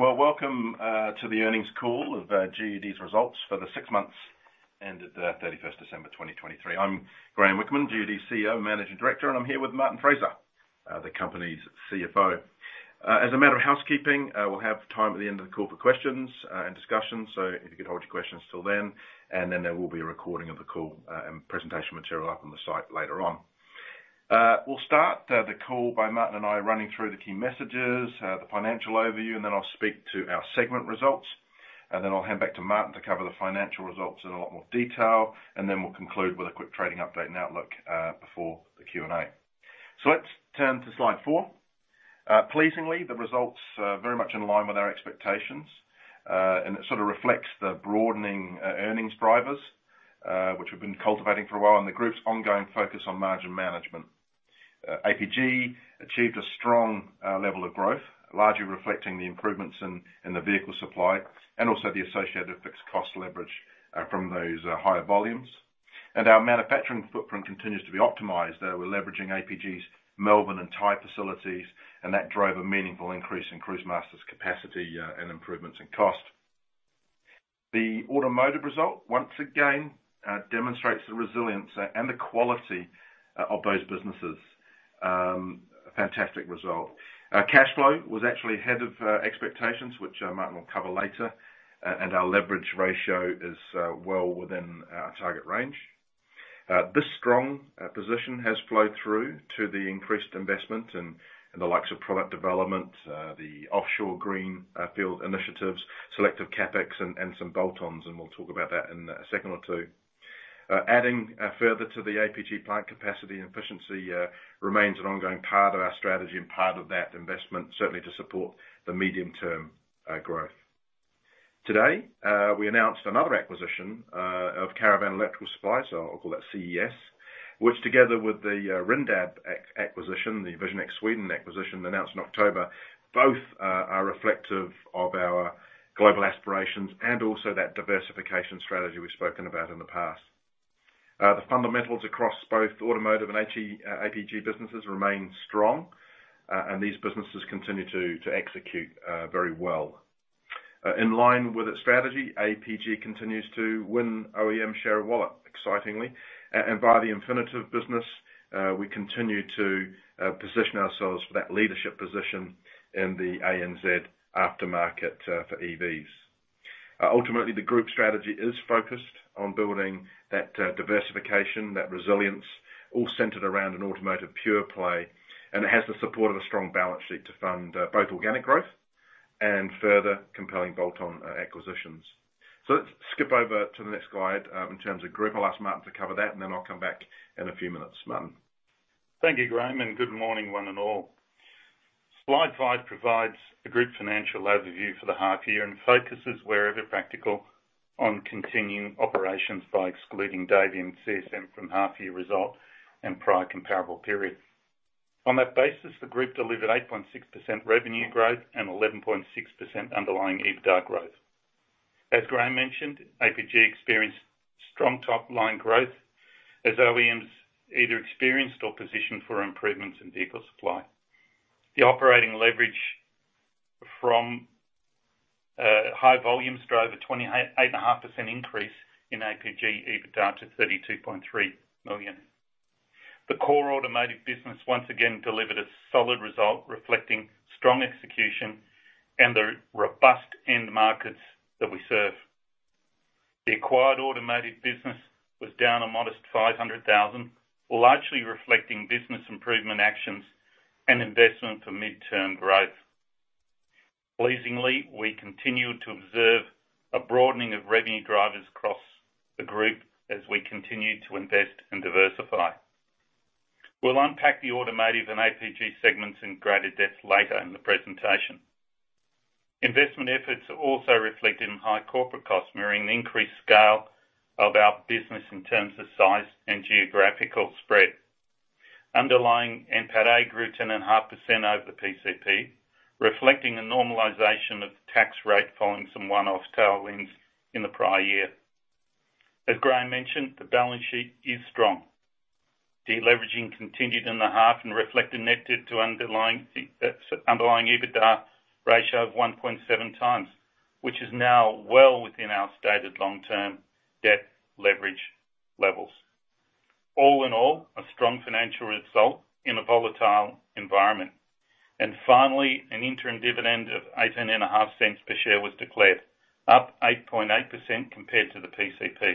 Well, welcome to the earnings call of Amotiv's results for the six months ended 31st December 2023. I'm Graeme Whickman, Amotiv CEO and Managing Director, and I'm here with Martin Fraser, the company's CFO. As a matter of housekeeping, we'll have time at the end of the call for questions and discussion, so if you could hold your questions till then. Then there will be a recording of the call and presentation material up on the site later on. We'll start the call by Martin and I running through the key messages, the financial overview, and then I'll speak to our segment results. Then I'll hand back to Martin to cover the financial results in a lot more detail, and then we'll conclude with a quick trading update and outlook before the Q&A. Let's turn to slide four. Pleasingly, the results are very much in line with our expectations, and it sort of reflects the broadening earnings drivers which we've been cultivating for a while and the group's ongoing focus on margin management. APG achieved a strong level of growth, largely reflecting the improvements in the vehicle supply and also the associated fixed cost leverage from those higher volumes. Our manufacturing footprint continues to be optimized. We're leveraging APG's Melbourne and Thai facilities, and that drove a meaningful increase in Cruisemaster's capacity and improvements in cost. The automotive result, once again, demonstrates the resilience and the quality of those businesses. Fantastic result. Cash flow was actually ahead of expectations, which Martin will cover later, and our leverage ratio is well within our target range. This strong position has flowed through to the increased investment in the likes of product development, the offshore greenfield initiatives, selective CapEx, and some bolt-ons, and we'll talk about that in a second or two. Adding further to the APG plant capacity and efficiency remains an ongoing part of our strategy and part of that investment, certainly to support the medium-term growth. Today, we announced another acquisition of Caravan Electrical Supplies, so I'll call that CES, which together with the Rindab acquisition, the Vision X Sweden acquisition announced in October, both are reflective of our global aspirations and also that diversification strategy we've spoken about in the past. The fundamentals across both automotive and APG businesses remain strong, and these businesses continue to execute very well. In line with its strategy, APG continues to win OEM share of wallet, excitingly. Via the Infinitev business, we continue to position ourselves for that leadership position in the ANZ aftermarket for EVs. Ultimately, the group strategy is focused on building that diversification, that resilience, all centered around an automotive pure play. And it has the support of a strong balance sheet to fund both organic growth and further compelling bolt-on acquisitions. Let's skip over to the next slide in terms of group. I'll ask Martin to cover that, and then I'll come back in a few minutes, Martin. Thank you, Graeme, and good morning, one and all. Slide 5 provides a group financial overview for the half year and focuses, wherever practical, on continuing operations by excluding Davey from half-year result and prior comparable period. On that basis, the group delivered 8.6% revenue growth and 11.6% underlying EBITDA growth. As Graeme mentioned, APG experienced strong top-line growth as OEMs either experienced or positioned for improvements in vehicle supply. The operating leverage from high volumes drove a 28.5% increase in APG EBITDA to 32.3 million. The core automotive business once again delivered a solid result, reflecting strong execution and the robust end markets that we serve. The acquired automotive business was down a modest 500,000, largely reflecting business improvement actions and investment for mid-term growth. Pleasingly, we continued to observe a broadening of revenue drivers across the group as we continued to invest and diversify. We'll unpack the automotive and APG segments in greater depth later in the presentation. Investment efforts are also reflected in high corporate cost mirroring the increased scale of our business in terms of size and geographical spread. Underlying NPATA grew 10.5% over the PCP, reflecting a normalization of tax rate following some one-off tailwinds in the prior year. As Graeme mentioned, the balance sheet is strong. Debt leveraging continued in the half and reflected net debt to underlying EBITDA ratio of 1.7x, which is now well within our stated long-term debt leverage levels. All in all, a strong financial result in a volatile environment. And finally, an interim dividend of 0.185 per share was declared, up 8.8% compared to the PCP.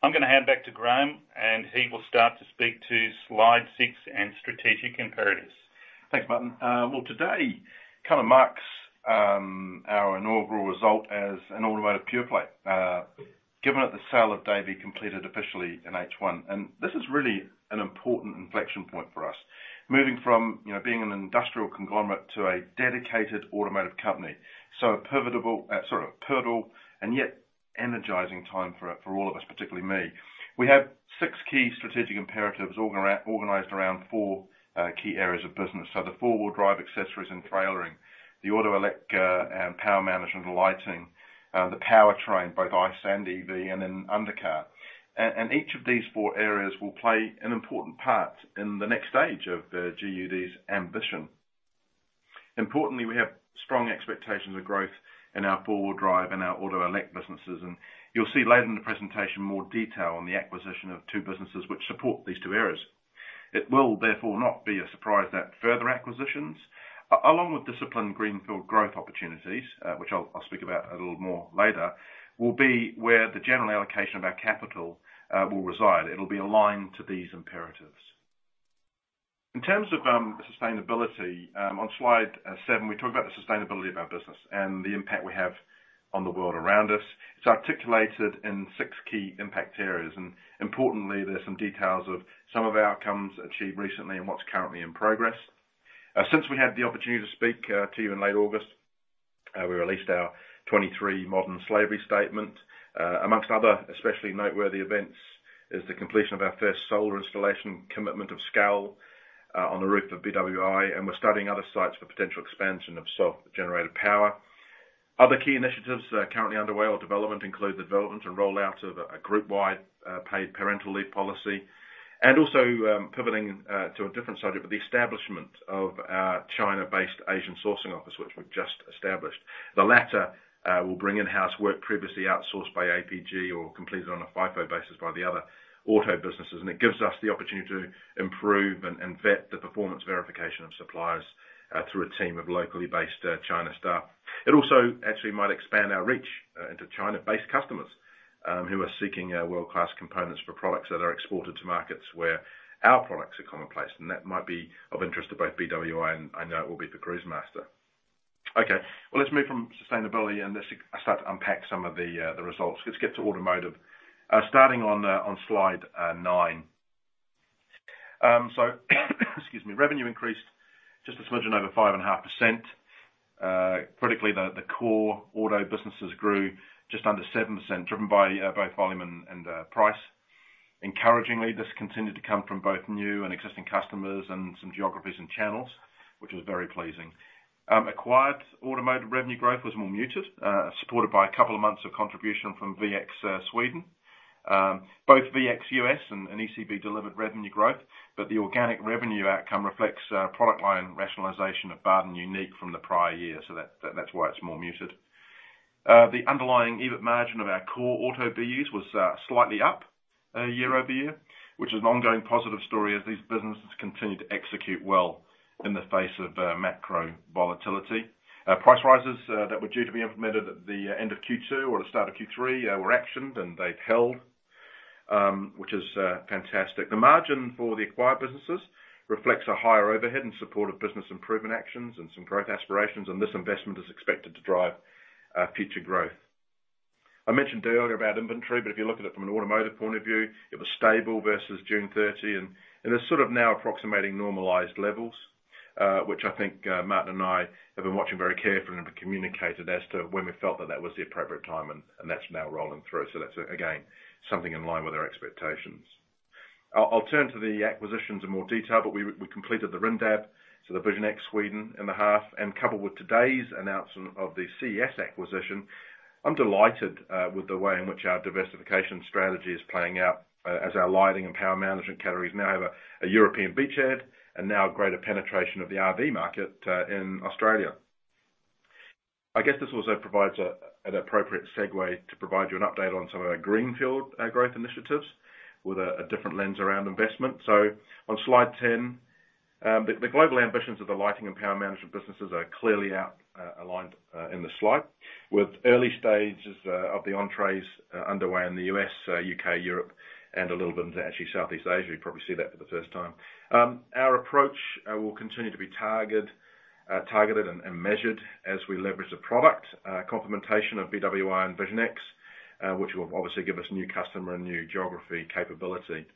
I'm going to hand back to Graeme, and he will start to speak to slide 6 and strategic imperatives. Thanks, Martin. Well, today kind of marks our inaugural result as an automotive pure-play, given that the sale of Davey completed officially in H1. And this is really an important inflection point for us, moving from being an industrial conglomerate to a dedicated automotive company. So a pivotal and yet energizing time for all of us, particularly me. We have six key strategic imperatives organized around four key areas of business. So the four-wheel drive accessories and trailering, the auto electric power management and lighting, the powertrain, both ICE and EV, and then undercar. And each of these four areas will play an important part in the next stage of GUD's ambition. Importantly, we have strong expectations of growth in our four-wheel drive and our auto electric businesses. And you'll see later in the presentation more detail on the acquisition of two businesses which support these two areas. It will therefore not be a surprise that further acquisitions, along with disciplined greenfield growth opportunities, which I'll speak about a little more later, will be where the general allocation of our capital will reside. It'll be aligned to these imperatives. In terms of sustainability, on slide 7, we talk about the sustainability of our business and the impact we have on the world around us. It's articulated in 6 key impact areas. Importantly, there's some details of some of the outcomes achieved recently and what's currently in progress. Since we had the opportunity to speak to you in late August, we released our 2023 Modern Slavery Statement. Among other, especially noteworthy events is the completion of our first solar installation commitment of scale on the roof of BWI, and we're studying other sites for potential expansion of self-generated power. Other key initiatives currently underway or development include the development and rollout of a group-wide paid parental leave policy. Also pivoting to a different subject, but the establishment of our China-based Asian sourcing office, which we've just established. The latter will bring in-house work previously outsourced by APG or completed on a FIFO basis by the other auto businesses. It gives us the opportunity to improve and vet the performance verification of suppliers through a team of locally based China staff. It also actually might expand our reach into China-based customers who are seeking world-class components for products that are exported to markets where our products are commonplace. That might be of interest to both BWI, and I know it will be for Cruisemaster. Okay. Well, let's move from sustainability and start to unpack some of the results. Let's get to automotive. Starting on slide 9. So excuse me, revenue increased just a smidgen over 5.5%. Critically, the core auto businesses grew just under 7%, driven by both volume and price. Encouragingly, this continued to come from both new and existing customers and some geographies and channels, which was very pleasing. Acquired automotive revenue growth was more muted, supported by a couple of months of contribution from VX Sweden. Both VX US and ECB delivered revenue growth, but the organic revenue outcome reflects product line rationalization of BWI Uneek from the prior year. So that's why it's more muted. The underlying EBIT margin of our core auto BUs was slightly up year-over-year, which is an ongoing positive story as these businesses continue to execute well in the face of macro volatility. Price rises that were due to be implemented at the end of Q2 or the start of Q3 were actioned, and they've held, which is fantastic. The margin for the acquired businesses reflects a higher overhead in support of business improvement actions and some growth aspirations. This investment is expected to drive future growth. I mentioned earlier about inventory, but if you look at it from an automotive point of view, it was stable versus June 30. It's sort of now approximating normalized levels, which I think Martin and I have been watching very carefully and have communicated as to when we felt that that was the appropriate time. That's now rolling through. That's, again, something in line with our expectations. I'll turn to the acquisitions in more detail, but we completed the Rindab, so the Vision X Sweden in the half, and coupled with today's announcement of the CES acquisition. I'm delighted with the way in which our diversification strategy is playing out as our lighting and power management categories now have a European beachhead and now greater penetration of the RV market in Australia. I guess this also provides an appropriate segue to provide you an update on some of our greenfield growth initiatives with a different lens around investment. So on slide 10, the global ambitions of the lighting and power management businesses are clearly outlined in the slide with early stages of the entries underway in the U.S., U.K., Europe, and a little bit into actually Southeast Asia. You probably see that for the first time. Our approach will continue to be targeted and measured as we leverage the product complementation of BWI and Vision X, which will obviously give us new customer and new geography capability.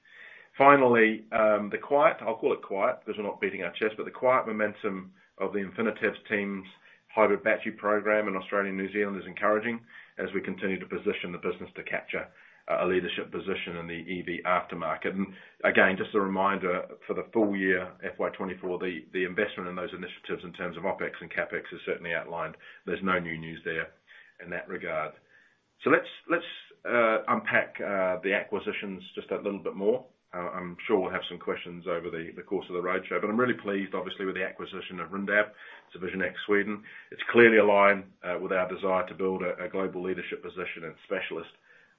Finally, the quiet, I'll call it quiet because we're not beating our chest, but the quiet momentum of the Infinitev's team's hybrid battery program in Australia and New Zealand is encouraging as we continue to position the business to capture a leadership position in the EV aftermarket. And again, just a reminder for the full year FY 2024, the investment in those initiatives in terms of OPEX and CapEx is certainly outlined. There's no new news there in that regard. Let's unpack the acquisitions just a little bit more. I'm sure we'll have some questions over the course of the roadshow, but I'm really pleased, obviously, with the acquisition of Rindab. It's a Vision X Sweden. It's clearly aligned with our desire to build a global leadership position in specialist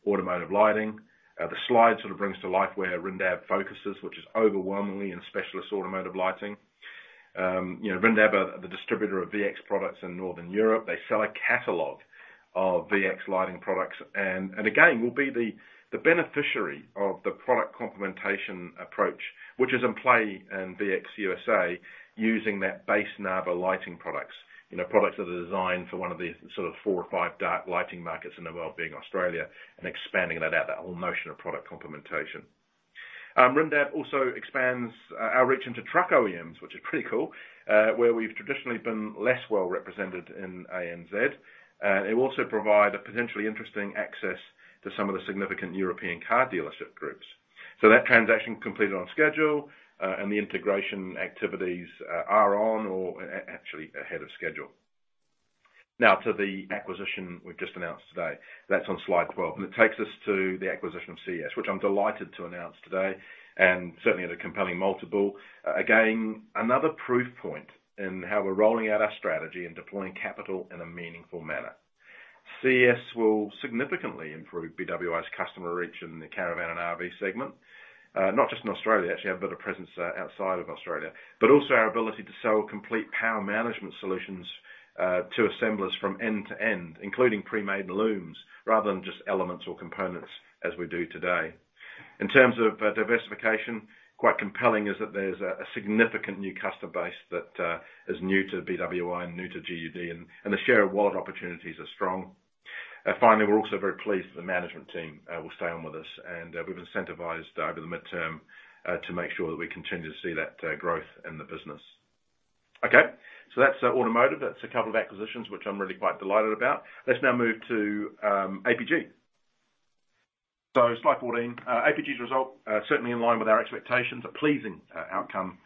automotive lighting. The slide sort of brings to life where Rindab focuses, which is overwhelmingly in specialist automotive lighting. Rindab are the distributor of VX products in Northern Europe. They sell a catalog of VX lighting products. And again, we'll be the beneficiary of the product complementation approach, which is in play in VX USA using that base Narva lighting products, products that are designed for one of these sort of four or five dark lighting markets in the world being Australia and expanding that out, that whole notion of product complementation. Rindab also expands our reach into truck OEMs, which is pretty cool, where we've traditionally been less well represented in ANZ. And it will also provide a potentially interesting access to some of the significant European car dealership groups. That transaction completed on schedule, and the integration activities are on or actually ahead of schedule. Now, to the acquisition we've just announced today, that's on slide 12. It takes us to the acquisition of CES, which I'm delighted to announce today and certainly at a compelling multiple. Again, another proof point in how we're rolling out our strategy and deploying capital in a meaningful manner. CES will significantly improve BWI's customer reach in the caravan and RV segment, not just in Australia, actually have a bit of presence outside of Australia, but also our ability to sell complete power management solutions to assemblers from end to end, including pre-made looms rather than just elements or components as we do today. In terms of diversification, quite compelling is that there's a significant new customer base that is new to BWI and new to GUD, and the share of wallet opportunities are strong. Finally, we're also very pleased that the management team will stay on with us. And we've incentivized over the midterm to make sure that we continue to see that growth in the business. Okay. So that's automotive. That's a couple of acquisitions, which I'm really quite delighted about. Let's now move to APG. So slide 14, APG's result, certainly in line with our expectations, a pleasing outcome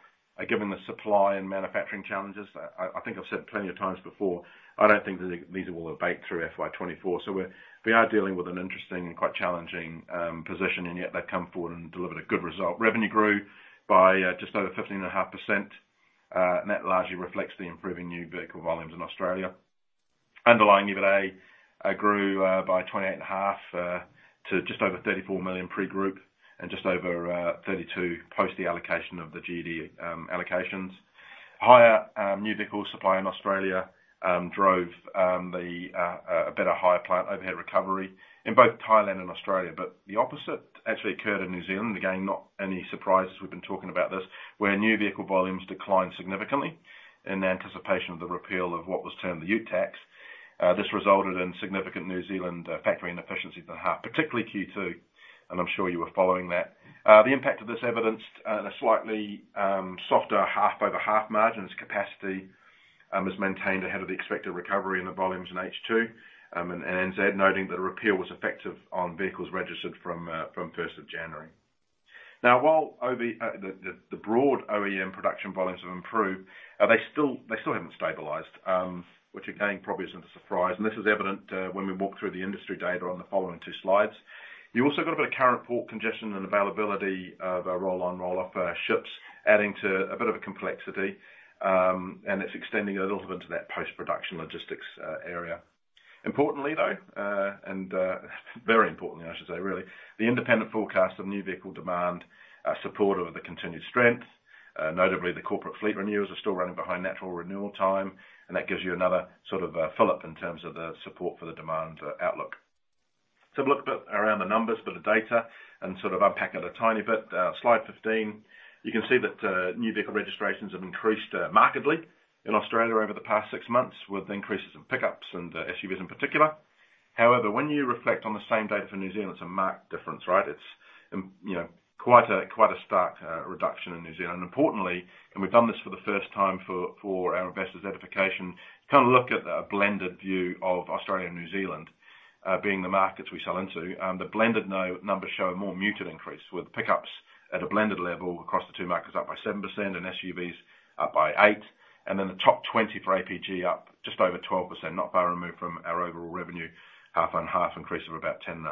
given the supply and manufacturing challenges. I think I've said plenty of times before, I don't think that these will abate through FY24. So we are dealing with an interesting and quite challenging position, and yet they've come forward and delivered a good result. Revenue grew by just over 15.5%, and that largely reflects the improving new vehicle volumes in Australia. Underlying EBITDA grew by 28.5 to just over 34 million pre-group and just over 32 million post the allocation of the GUD allocations. Higher new vehicle supply in Australia drove a better higher plant overhead recovery in both Thailand and Australia. But the opposite actually occurred in New Zealand. Again, not any surprises. We've been talking about this where new vehicle volumes declined significantly in anticipation of the repeal of what was termed the Ute Tax. This resulted in significant New Zealand factory inefficiencies in the half, particularly Q2. I'm sure you were following that. The impact of this evidenced in a slightly softer half over half margin. Its capacity is maintained ahead of the expected recovery in the volumes in H2 and ANZ, noting that a repeal was effective on vehicles registered from 1st of January. Now, while the broad OEM production volumes have improved, they still haven't stabilised, which again probably isn't a surprise. And this is evident when we walk through the industry data on the following two slides. You've also got a bit of current port congestion and availability of our roll-on, roll-off ships, adding to a bit of a complexity. And it's extending a little bit into that post-production logistics area. Importantly, though, and very importantly, I should say, really, the independent forecast of new vehicle demand support of the continued strength, notably the corporate fleet renewals are still running behind natural renewal time. And that gives you another sort of fill-up in terms of the support for the demand outlook. So I've looked around the numbers, bit of data, and sort of unpacked it a tiny bit. Slide 15, you can see that new vehicle registrations have increased markedly in Australia over the past six months with increases in pickups and SUVs in particular. However, when you reflect on the same data for New Zealand, it's a marked difference, right? It's quite a stark reduction in New Zealand. And importantly, and we've done this for the first time for our investors' edification, kind of look at a blended view of Australia and New Zealand being the markets we sell into. The blended numbers show a more muted increase with pickups at a blended level across the two markets up by 7% and SUVs up by 8%. Then the top 20 for APG up just over 12%, not far removed from our overall revenue half on half increase of about 10.5%.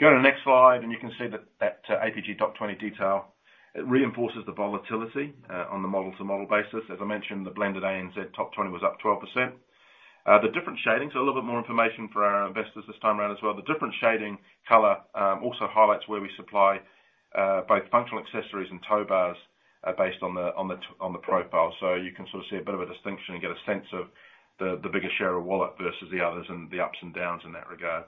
Go to the next slide, and you can see that APG top 20 detail; it reinforces the volatility on the model-to-model basis. As I mentioned, the blended ANZ top 20 was up 12%. The different shading, so a little bit more information for our investors this time around as well. The different shading color also highlights where we supply both functional accessories and tow bars based on the profile. So you can sort of see a bit of a distinction and get a sense of the bigger share of wallet versus the others and the ups and downs in that regard.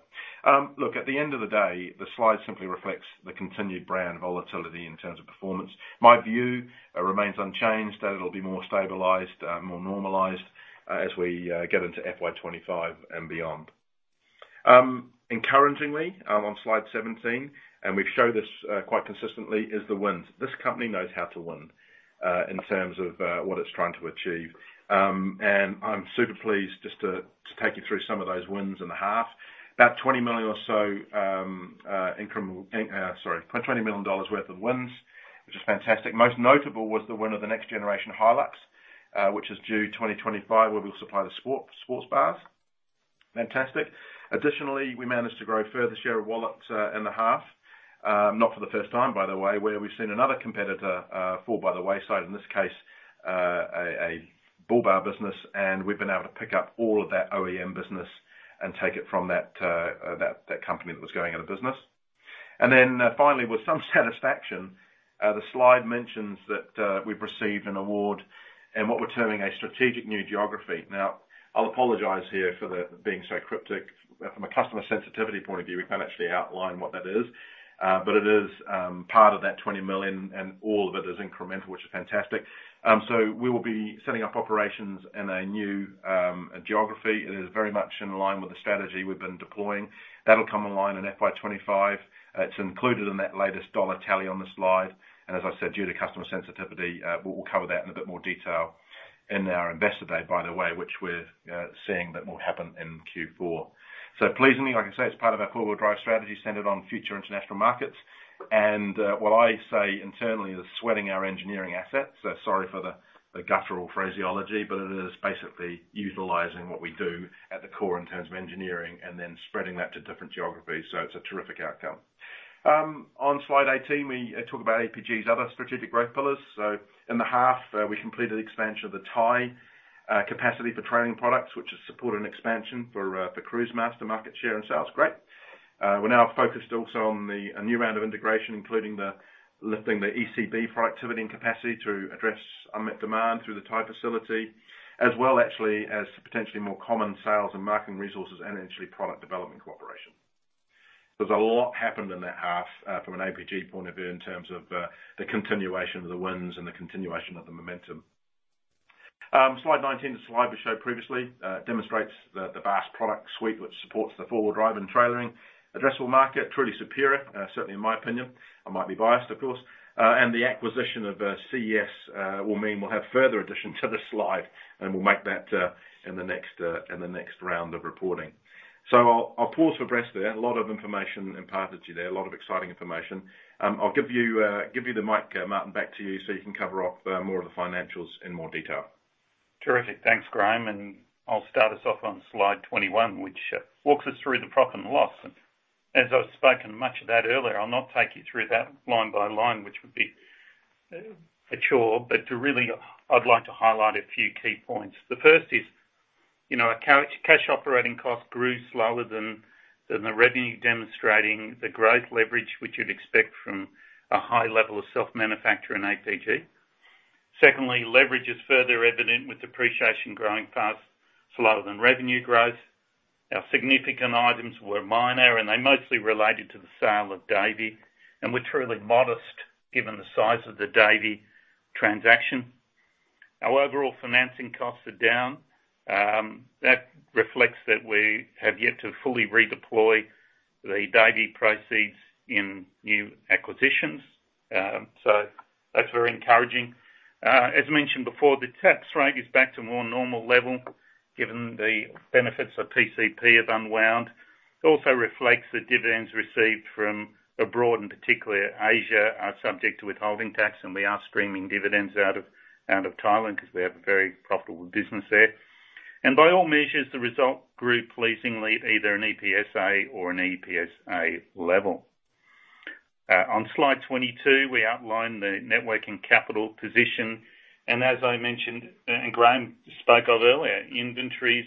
Look, at the end of the day, the slide simply reflects the continued brand volatility in terms of performance. My view remains unchanged that it'll be more stabilized, more normalized as we get into FY25 and beyond. Encouragingly, on slide 17, and we've shown this quite consistently, is the wins. This company knows how to win in terms of what it's trying to achieve. And I'm super pleased just to take you through some of those wins in the half. About 20 million or so incremental sorry, AUD 20 million worth of wins, which is fantastic. Most notable was the win of the next generation Hilux, which is due 2025 where we'll supply the sports bars. Fantastic. Additionally, we managed to grow further share of wallets in the half, not for the first time, by the way, where we've seen another competitor fall by the wayside, in this case, a bull bar business. We've been able to pick up all of that OEM business and take it from that company that was going out of business. Then finally, with some satisfaction, the slide mentions that we've received an award and what we're terming a strategic new geography. Now, I'll apologize here for being so cryptic. From a customer sensitivity point of view, we can't actually outline what that is. It is part of that 20 million, and all of it is incremental, which is fantastic. We will be setting up operations in a new geography. It is very much in line with the strategy we've been deploying. That'll come in line in FY25. It's included in that latest dollar tally on the slide. As I said, due to customer sensitivity, we'll cover that in a bit more detail in our investor day, by the way, which we're seeing that will happen in Q4. Pleasingly, like I say, it's part of our four-wheel drive strategy centered on future international markets. What I say internally is sweating our engineering assets. Sorry for the guttural phraseology, but it is basically utilizing what we do at the core in terms of engineering and then spreading that to different geographies. It's a terrific outcome. On slide 18, we talk about APG's other strategic growth pillars. In the half, we completed expansion of the Thai capacity for trailing products, which has supported an expansion for Cruisemaster market share and sales. Great. We're now focused also on a new round of integration, including lifting the ECB productivity and capacity to address unmet demand through the Thai facility, as well actually as potentially more common sales and marketing resources and initially product development cooperation. There's a lot happened in that half from an APG point of view in terms of the continuation of the wins and the continuation of the momentum. Slide 19, the slide we showed previously, demonstrates the Bars product suite which supports the four-wheel drive and trailering. Addressable market, truly superior, certainly in my opinion. I might be biased, of course. And the acquisition of CES will mean we'll have further addition to the slide and we'll make that in the next round of reporting. So I'll pause for breath there. A lot of information imparted to you there, a lot of exciting information. I'll give you the mic, Martin, back to you so you can cover off more of the financials in more detail. Terrific. Thanks, Graeme. I'll start us off on slide 21, which walks us through the profit and loss. As I've spoken much of that earlier, I'll not take you through that line by line, which would be a chore. But really, I'd like to highlight a few key points. The first is our cash operating cost grew slower than the revenue, demonstrating the growth leverage which you'd expect from a high level of self-manufacturing in APG. Secondly, leverage is further evident with depreciation growing fast, slower than revenue growth. Our significant items were minor, and they mostly related to the sale of Davey. We're truly modest given the size of the Davey transaction. Our overall financing costs are down. That reflects that we have yet to fully redeploy the Davey proceeds in new acquisitions. So that's very encouraging. As mentioned before, the tax rate is back to a more normal level given the benefits of PCP have unwound. It also reflects the dividends received from abroad and particularly Asia are subject to withholding tax, and we are streaming dividends out of Thailand because we have a very profitable business there. And by all measures, the result grew pleasingly, either an EPSA or an EPSA level. On Slide 22, we outline the net working capital position. And as I mentioned and Graeme spoke of earlier, inventories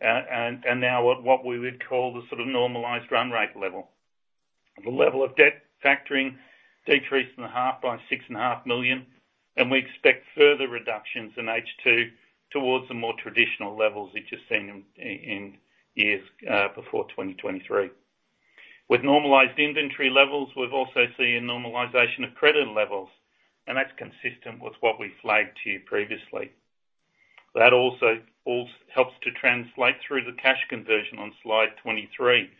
are now what we would call the sort of normalized run rate level. The level of debt factoring decreased in the half by 6.5 million. And we expect further reductions in H2 towards the more traditional levels you've just seen in years before 2023. With normalized inventory levels, we've also seen a normalization of credit levels. That's consistent with what we flagged to you previously. That also helps to translate through the cash conversion on slide 23,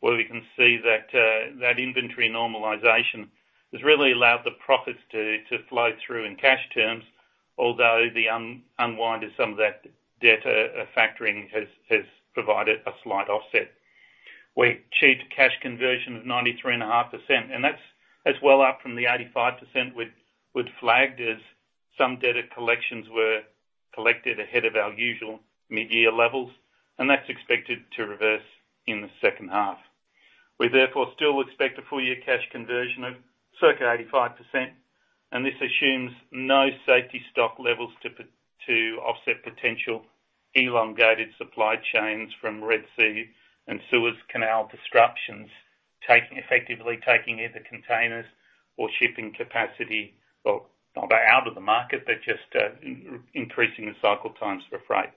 where we can see that inventory normalization has really allowed the profits to flow through in cash terms, although the unwind of some of that debt factoring has provided a slight offset. We achieved a cash conversion of 93.5%, and that's well up from the 85% we'd flagged as some debt collections were collected ahead of our usual mid-year levels. That's expected to reverse in the second half. We therefore still expect a full-year cash conversion of circa 85%. This assumes no safety stock levels to offset potential elongated supply chains from Red Sea and Suez Canal disruptions, effectively taking either containers or shipping capacity well, not out of the market, but just increasing the cycle times for freight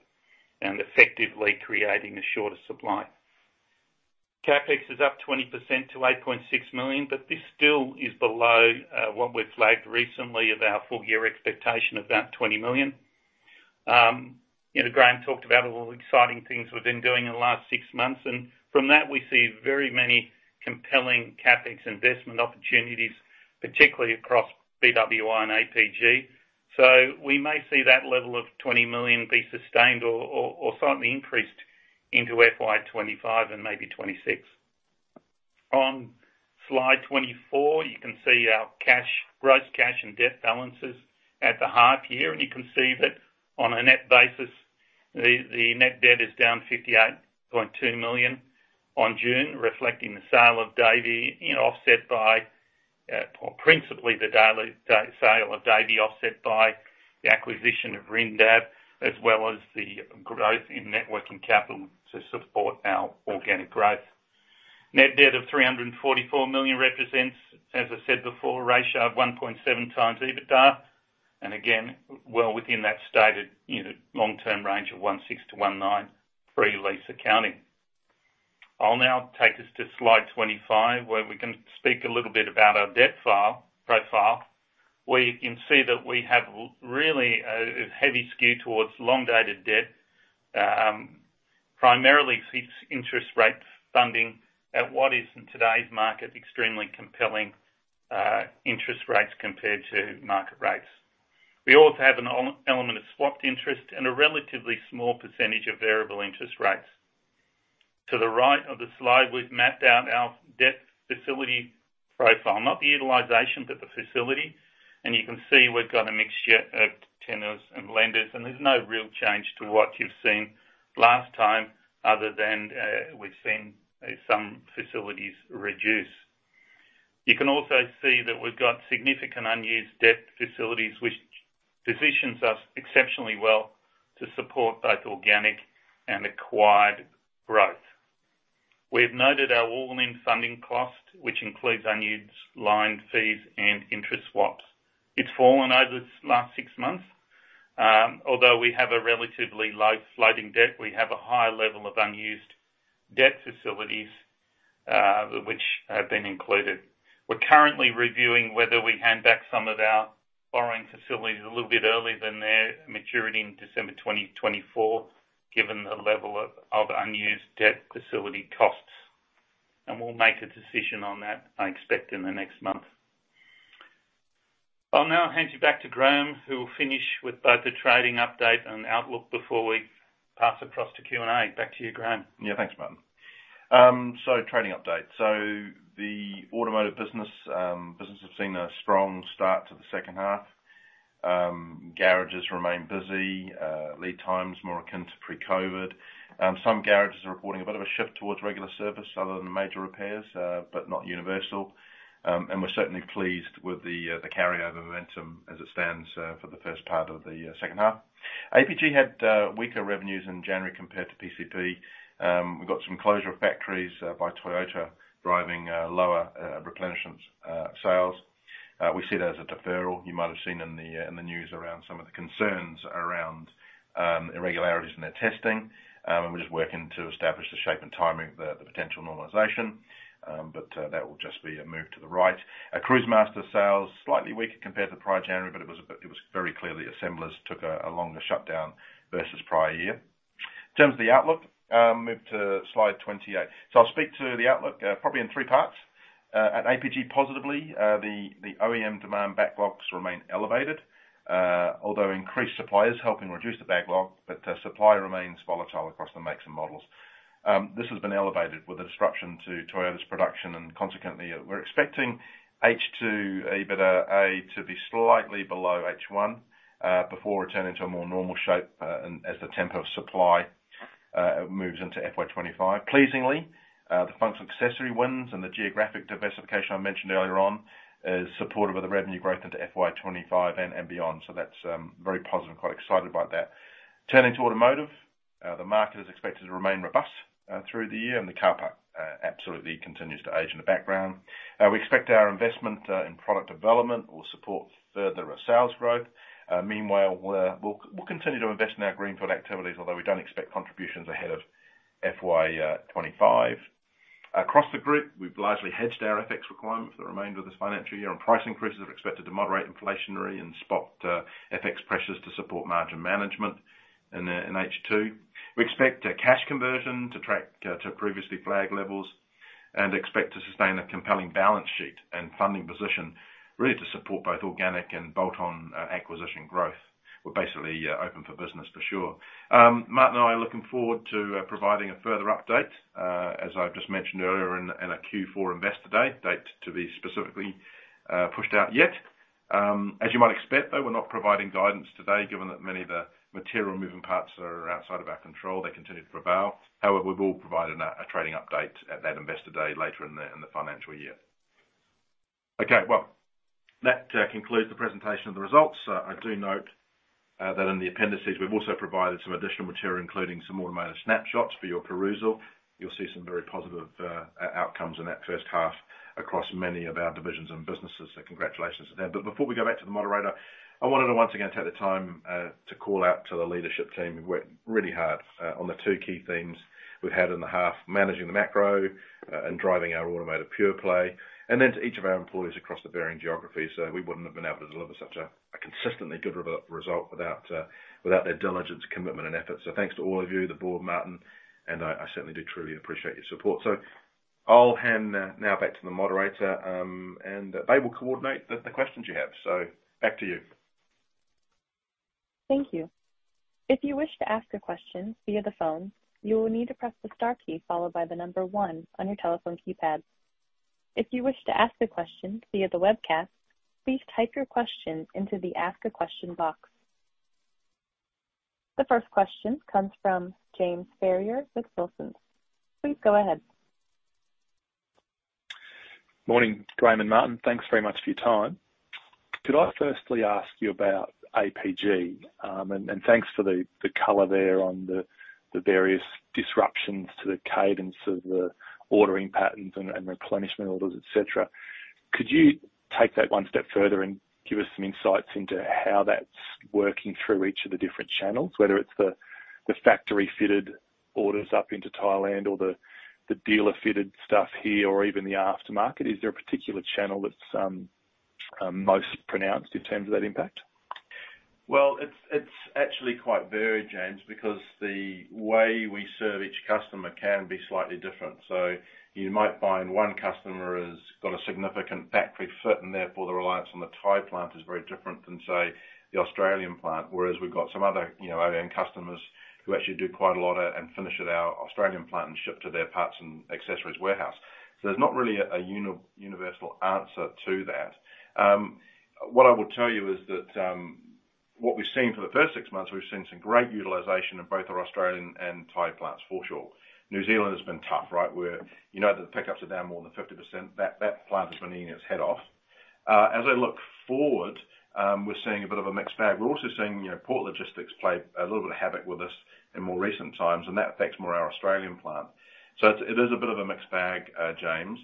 and effectively creating a shorter supply. CapEx is up 20% to 8.6 million, but this still is below what we flagged recently of our full-year expectation of that 20 million. Graeme talked about all the exciting things we've been doing in the last six months. And from that, we see very many compelling CapEx investment opportunities, particularly across BWI and APG. So we may see that level of 20 million be sustained or slightly increased into FY2025 and maybe 2026. On slide 24, you can see our gross cash and debt balances at the half year. You can see that on a net basis, the net debt is down 58.2 million on June, reflecting the sale of Davey offset by principally the daily sale of Davey offset by the acquisition of Rindab, as well as the growth in working capital to support our organic growth. Net debt of 344 million represents, as I said before, a ratio of 1.7x EBITDA. And again, well within that stated long-term range of 1.6-1.9 pre-lease accounting. I'll now take us to slide 25 where we're going to speak a little bit about our debt profile. We can see that we have really a heavy skew towards long-dated debt, primarily interest rate funding at what is, in today's market, extremely compelling interest rates compared to market rates. We also have an element of swapped interest and a relatively small percentage of variable interest rates. To the right of the slide, we've mapped out our debt facility profile, not the utilization, but the facility. You can see we've got a mixture of tenors and lenders. There's no real change to what you've seen last time other than we've seen some facilities reduce. You can also see that we've got significant unused debt facilities, which positions us exceptionally well to support both organic and acquired growth. We've noted our all-in funding cost, which includes unused line fees and interest swaps. It's fallen over the last six months. Although we have a relatively low floating debt, we have a high level of unused debt facilities, which have been included. We're currently reviewing whether we hand back some of our borrowing facilities a little bit earlier than their maturity in December 2024, given the level of unused debt facility costs. And we'll make a decision on that, I expect, in the next month. I'll now hand you back to Graeme, who will finish with both a trading update and outlook before we pass across to Q&A. Back to you, Graeme. Yeah, thanks, Martin. So trading update. So the automotive business has seen a strong start to the second half. Garages remain busy, lead times more akin to pre-COVID. Some garages are reporting a bit of a shift towards regular service other than major repairs, but not universal. And we're certainly pleased with the carryover momentum as it stands for the first part of the second half. APG had weaker revenues in January compared to PCP. We got some closure of factories by Toyota driving lower replenishment sales. We see that as a deferral you might have seen in the news around some of the concerns around irregularities in their testing. We're just working to establish the shape and timing of the potential normalization. That will just be a move to the right. Cruisemaster sales slightly weaker compared to prior January, but it was very clear that assemblers took a longer shutdown versus prior year. In terms of the outlook, move to slide 28. I'll speak to the outlook probably in three parts. At APG, positively, the OEM demand backlogs remain elevated, although increased suppliers helping reduce the backlog. Supply remains volatile across the makes and models. This has been elevated with a disruption to Toyota's production. Consequently, we're expecting H2, EBITDA A to be slightly below H1 before returning to a more normal shape as the tempo of supply moves into FY25. Pleasingly, the functional accessory wins and the geographic diversification I mentioned earlier on is supportive of the revenue growth into FY25 and beyond. That's very positive. I'm quite excited about that. Turning to automotive, the market is expected to remain robust through the year. The car park absolutely continues to age in the background. We expect our investment in product development will support further sales growth. Meanwhile, we'll continue to invest in our greenfield activities, although we don't expect contributions ahead of FY25. Across the group, we've largely hedged our FX requirement for the remainder of this financial year. Price increases are expected to moderate inflationary and spot FX pressures to support margin management in H2. We expect cash conversion to track to previously flagged levels and expect to sustain a compelling balance sheet and funding position really to support both organic and bolt-on acquisition growth. We're basically open for business, for sure. Martin and I are looking forward to providing a further update, as I've just mentioned earlier, in a Q4 investor day, date to be specifically pushed out yet. As you might expect, though, we're not providing guidance today given that many of the material moving parts are outside of our control. They continue to prevail. However, we've all provided a trading update at that investor day later in the financial year. Okay. Well, that concludes the presentation of the results. I do note that in the appendices, we've also provided some additional material, including some automated snapshots for your perusal. You'll see some very positive outcomes in that first half across many of our divisions and businesses. So congratulations to them. Before we go back to the moderator, I wanted to once again take the time to call out to the leadership team. We've worked really hard on the two key themes we've had in the half: managing the macro and driving our automotive pure play. Then to each of our employees across the varying geographies. We wouldn't have been able to deliver such a consistently good result without their diligence, commitment, and effort. Thanks to all of you, the board, Martin. I certainly do truly appreciate your support. I'll hand now back to the moderator. They will coordinate the questions you have. Back to you. Thank you. If you wish to ask a question via the phone, you will need to press the star key followed by the number one on your telephone keypad. If you wish to ask a question via the webcast, please type your question into the Ask a Question box. The first question comes from James Ferrier with Wilson. Please go ahead. Morning, Graeme and Martin. Thanks very much for your time. Could I firstly ask you about APG? And thanks for the color there on the various disruptions to the cadence of the ordering patterns and replenishment orders, etc. Could you take that one step further and give us some insights into how that's working through each of the different channels, whether it's the factory-fitted orders up into Thailand or the dealer-fitted stuff here or even the aftermarket? Is there a particular channel that's most pronounced in terms of that impact? Well, it's actually quite varied, James, because the way we serve each customer can be slightly different. So you might find one customer has got a significant factory fit, and therefore the reliance on the Thai plant is very different than, say, the Australian plant, whereas we've got some other OEM customers who actually do quite a lot and finish at our Australian plant and ship to their parts and accessories warehouse. So there's not really a universal answer to that. What I would tell you is that what we've seen for the first six months, we've seen some great utilization in both our Australian and Thai plants, for sure. New Zealand has been tough, right? You know that the pickups are down more than 50%. That plant has been eating its head off. As I look forward, we're seeing a bit of a mixed bag. We're also seeing port logistics play a little bit of havoc with us in more recent times. And that affects more our Australian plant. So it is a bit of a mixed bag, James.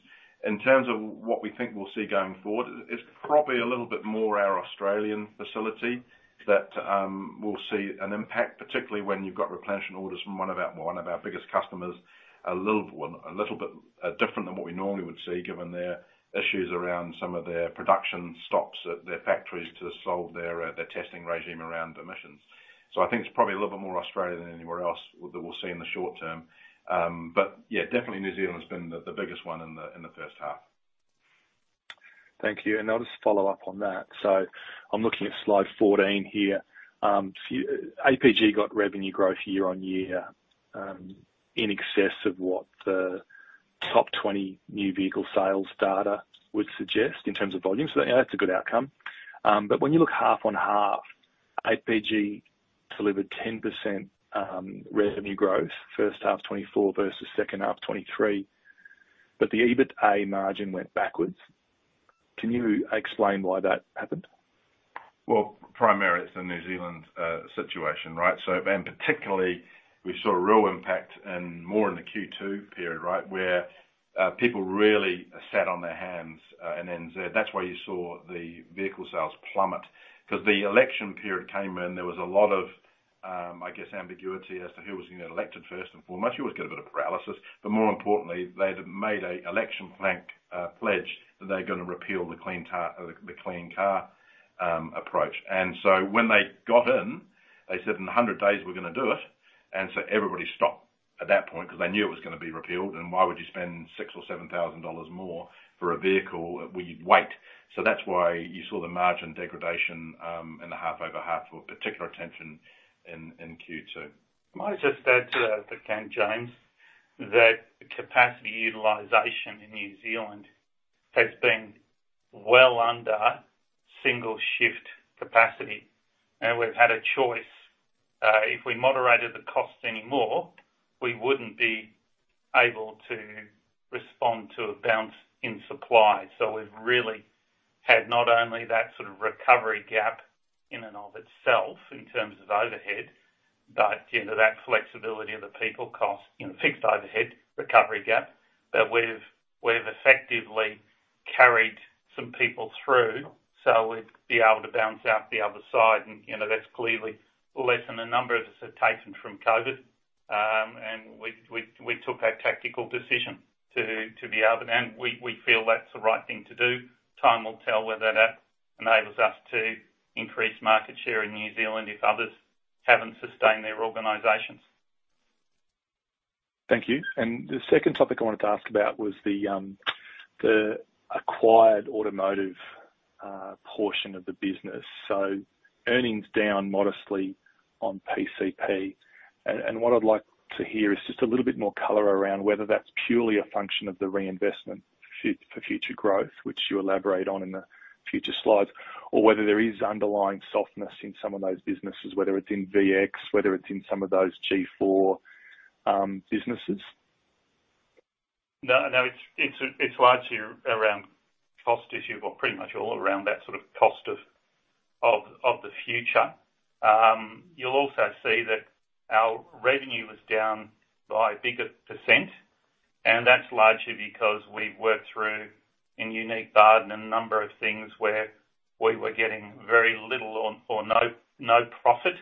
In terms of what we think we'll see going forward, it's probably a little bit more our Australian facility that we'll see an impact, particularly when you've got replenishment orders from one of our biggest customers, a little bit different than what we normally would see given their issues around some of their production stops at their factories to solve their testing regime around emissions. So I think it's probably a little bit more Australia than anywhere else that we'll see in the short term. But yeah, definitely, New Zealand has been the biggest one in the first half. Thank you. And I'll just follow up on that. So I'm looking at slide 14 here. APG got revenue growth year on year in excess of what the top 20 new vehicle sales data would suggest in terms of volume. So that's a good outcome. But when you look half on half, APG delivered 10% revenue growth first half 2024 versus second half 2023. But the EBITDA margin went backwards. Can you explain why that happened? Well, primarily, it's a New Zealand situation, right? And particularly, we saw a real impact more in the Q2 period, right, where people really sat on their hands. And then that's why you saw the vehicle sales plummet. Because the election period came in, there was a lot of, I guess, ambiguity as to who was going to get elected first and foremost. You always get a bit of paralysis. But more importantly, they had made an election plank pledge that they're going to repeal the clean car approach. And so when they got in, they said, "In 100 days, we're going to do it." And so everybody stopped at that point because they knew it was going to be repealed. And why would you spend 6,000 or 7,000 dollars more for a vehicle where you'd wait? So that's why you saw the margin degradation in the half over half with particular attention in Q2. I might just add to that if I can, James, that capacity utilization in New Zealand has been well under single shift capacity. And we've had a choice. If we moderated the costs anymore, we wouldn't be able to respond to a bounce in supply. So we've really had not only that sort of recovery gap in and of itself in terms of overhead, but that flexibility of the people cost, fixed overhead, recovery gap, that we've effectively carried some people through so we'd be able to bounce out the other side. And that's clearly lessened a number of us that taken from COVID. And we took that tactical decision to be able to and we feel that's the right thing to do. Time will tell whether that enables us to increase market share in New Zealand if others haven't sustained their organizations. Thank you. And the second topic I wanted to ask about was the acquired automotive portion of the business, so earnings down modestly on PCP. And what I'd like to hear is just a little bit more color around whether that's purely a function of the reinvestment for future growth, which you elaborate on in the future slides, or whether there is underlying softness in some of those businesses, whether it's in VX, whether it's in some of those G4 businesses. No, it's largely around cost issue or pretty much all around that sort of cost of the future. You'll also see that our revenue was down by a bigger %. And that's largely because we've worked through in Uneek Barden a number of things where we were getting very little or no profit.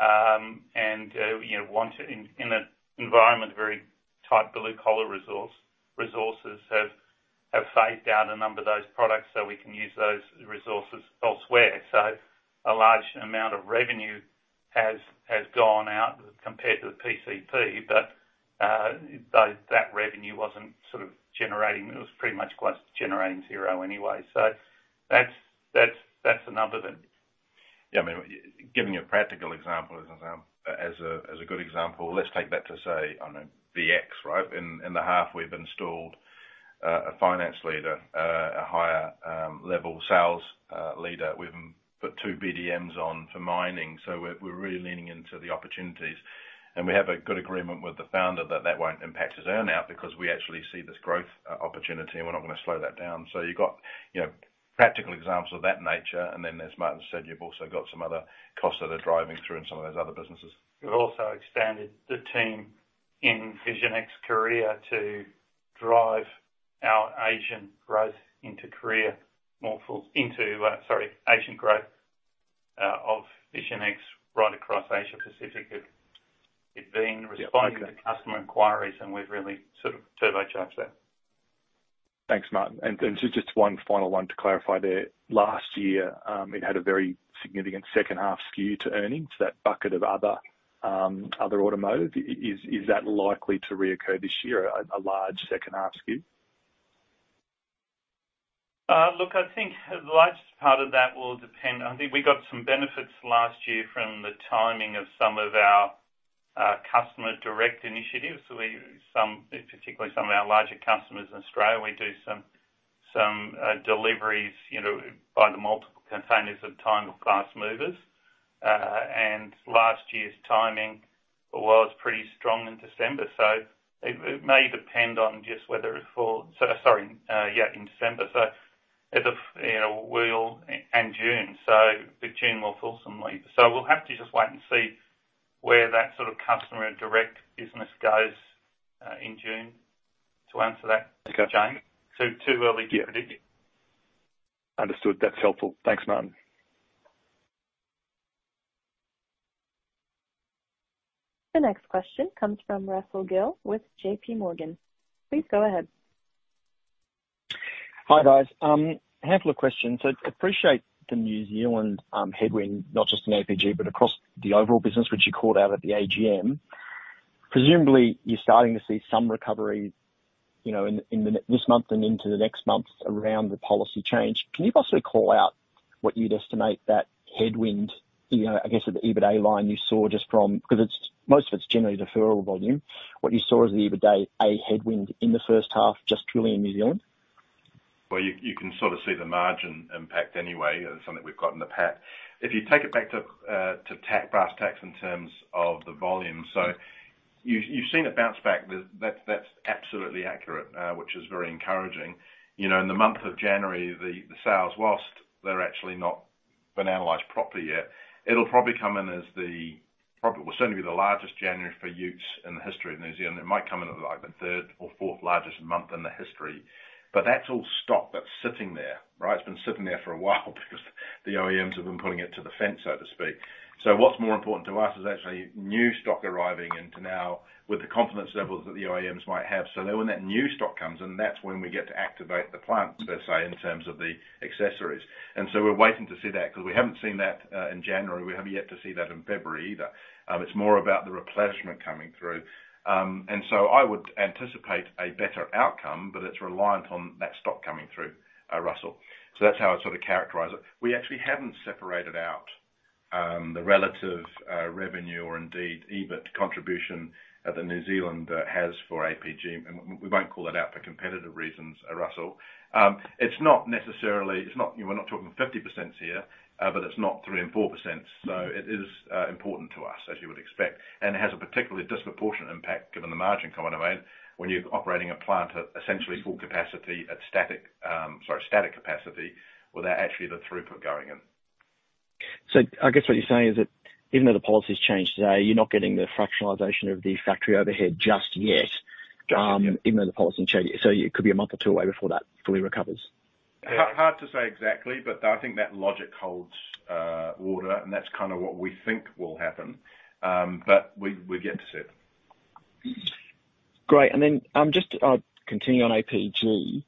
And in an environment, very tight blue collar resources have phased out a number of those products so we can use those resources elsewhere. So a large amount of revenue has gone out compared to the PCP. But that revenue wasn't sort of generating. It was pretty much generating zero anyway. So that's a number of it. Yeah. I mean, giving you a practical example as a good example, let's take that to, say, I don't know, VX, right? In the half, we've installed a finance leader, a higher-level sales leader. We've put two BDMs on for mining. So we're really leaning into the opportunities. And we have a good agreement with the founder that that won't impact his earnout because we actually see this growth opportunity, and we're not going to slow that down. So you've got practical examples of that nature. And then, as Martin said, you've also got some other costs that are driving through in some of those other businesses. We've also expanded the team in Vision X Korea to drive our Asian growth into Korea more fully, sorry, Asian growth of Vision X right across Asia-Pacific. It's been responding to customer inquiries, and we've really sort of turbocharged that. Thanks, Martin. And just one final one to clarify there. Last year, it had a very significant second-half skew to earnings, that bucket of other automotive. Is that likely to reoccur this year, a large second-half skew? Look, I think the largest part of that will depend. I think we got some benefits last year from the timing of some of our customer direct initiatives. Particularly, some of our larger customers in Australia, we do some deliveries by the multiple containers at the time of fast movers. And last year's timing was pretty strong in December. So it may depend on just whether it falls, sorry, yeah, in December. So we'll end June. So June will fall somewhere. So we'll have to just wait and see where that sort of customer direct business goes in June to answer that, James. Too early to predict. Understood. That's helpful. Thanks, Martin. The next question comes from Russell Gill with JPMorgan. Please go ahead. Hi, guys. A handful of questions. So I appreciate the New Zealand headwind, not just in APG, but across the overall business, which you called out at the AGM. Presumably, you're starting to see some recovery this month and into the next months around the policy change. Can you possibly call out what you'd estimate that headwind, I guess, at the EBITDA line you saw just from—because most of it's generally deferral volume. What you saw as the EBITDA headwind in the first half, just truly in New Zealand? Well, you can sort of see the margin impact anyway, something we've got in the PAT. If you take it back to brass tacks in terms of the volume, so you've seen it bounce back. That's absolutely accurate, which is very encouraging. In the month of January, the sales, whilst they're actually not been analyzed properly yet, it'll probably come in as the we'll certainly be the largest January for utes in the history of New Zealand. It might come in as the third or fourth largest month in the history. But that's all stock that's sitting there, right? It's been sitting there for a while because the OEMs have been putting it to the fence, so to speak. So what's more important to us is actually new stock arriving into now with the confidence levels that the OEMs might have. So then when that new stock comes, and that's when we get to activate the plant, per se, in terms of the accessories. And so we're waiting to see that because we haven't seen that in January. We haven't yet to see that in February either. It's more about the replenishment coming through. And so I would anticipate a better outcome, but it's reliant on that stock coming through, Russell. So that's how I sort of characterize it. We actually haven't separated out the relative revenue or indeed EBIT contribution that New Zealand has for APG. And we won't call that out for competitive reasons, Russell. It's not necessarily we're not talking 50% here, but it's not 3%-4%. So it is important to us, as you would expect. It has a particularly disproportionate impact given the margin coming away when you're operating a plant at essentially full capacity at static sorry, static capacity without actually the throughput going in. So I guess what you're saying is that even though the policy's changed today, you're not getting the fractionalization of the factory overhead just yet, even though the policy changed. So it could be a month or two away before that fully recovers. Hard to say exactly, but I think that logic holds water. And that's kind of what we think will happen. But we'll get to see it. Great. And then just continuing on APG,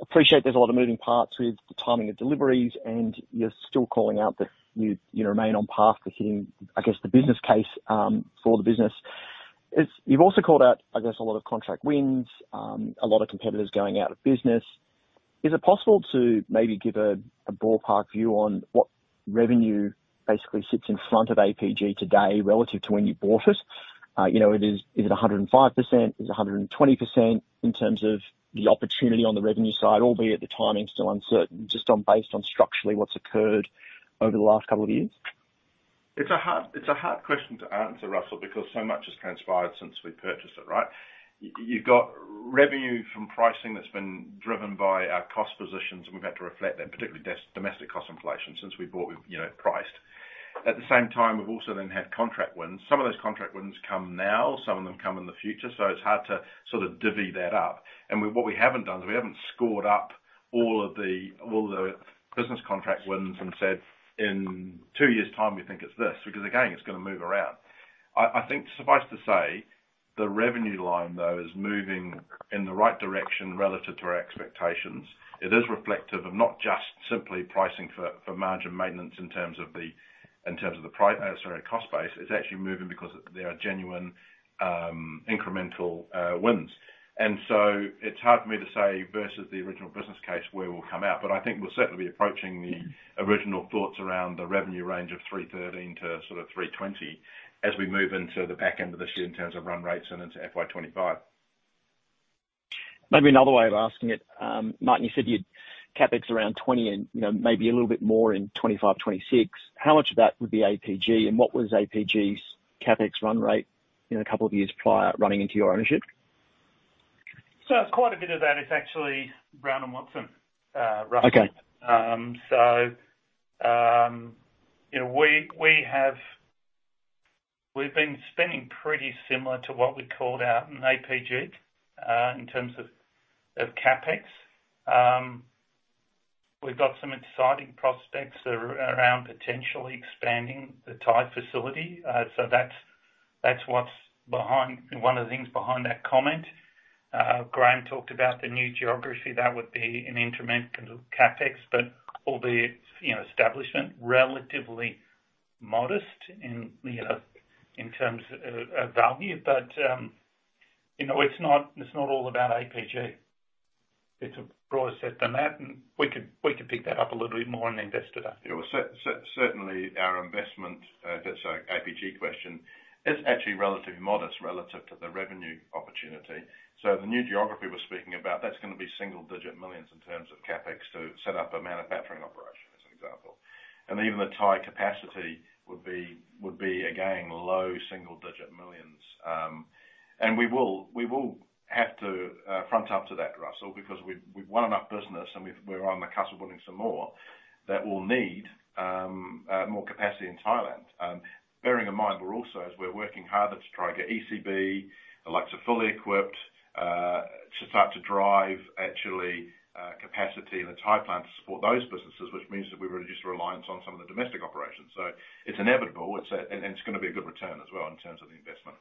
appreciate there's a lot of moving parts with the timing of deliveries. And you're still calling out that you remain on path to hitting, I guess, the business case for the business. You've also called out, I guess, a lot of contract wins, a lot of competitors going out of business. Is it possible to maybe give a ballpark view on what revenue basically sits in front of APG today relative to when you bought it? Is it 105%? Is it 120% in terms of the opportunity on the revenue side, albeit the timing still uncertain just based on structurally what's occurred over the last couple of years? It's a hard question to answer, Russell, because so much has transpired since we purchased it, right? You've got revenue from pricing that's been driven by our cost positions, and we've had to reflect that, particularly domestic cost inflation since we bought, we've priced. At the same time, we've also then had contract wins. Some of those contract wins come now. Some of them come in the future. It's hard to sort of divvy that up. What we haven't done is we haven't scored up all of the business contract wins and said, "In two years' time, we think it's this," because again, it's going to move around. I think suffice to say, the revenue line, though, is moving in the right direction relative to our expectations. It is reflective of not just simply pricing for margin maintenance in terms of the, sorry, cost base. It's actually moving because there are genuine incremental wins. So it's hard for me to say versus the original business case where we'll come out. But I think we'll certainly be approaching the original thoughts around the revenue range of 313 million to sort of 320 million as we move into the back end of this year in terms of run rates and into FY25. Maybe another way of asking it, Martin, you said your CapEx around 20 million and maybe a little bit more in 2025, 2026. How much of that would be APG? And what was APG's CapEx run rate a couple of years prior running into your ownership? So quite a bit of that is actually Brown & Watson, Russell. So we've been spending pretty similar to what we called out in APG in terms of CapEx. We've got some exciting prospects around potentially expanding the Thai facility. So that's one of the things behind that comment. Graeme talked about the new geography. That would be an incremental CapEx, but albeit establishment relatively modest in terms of value. But it's not all about APG. It's a broader set than that. And we could pick that up a little bit more and invest it up. Certainly, our investment, if it's an APG question, is actually relatively modest relative to the revenue opportunity. So the new geography we're speaking about, that's going to be AUD single-digit millions in terms of CapEx to set up a manufacturing operation, as an example. And even the Thai capacity would be, again, low single-digit millions. And we will have to front up to that, Russell, because we've won enough business, and we're on the cusp of winning some more that will need more capacity in Thailand. Bearing in mind, we're also, as we're working harder to try to get ECB, the likes of Fully Equipped, to start to drive actually capacity in the Thai plant to support those businesses, which means that we reduce reliance on some of the domestic operations. So it's inevitable. And it's going to be a good return as well in terms of the investment.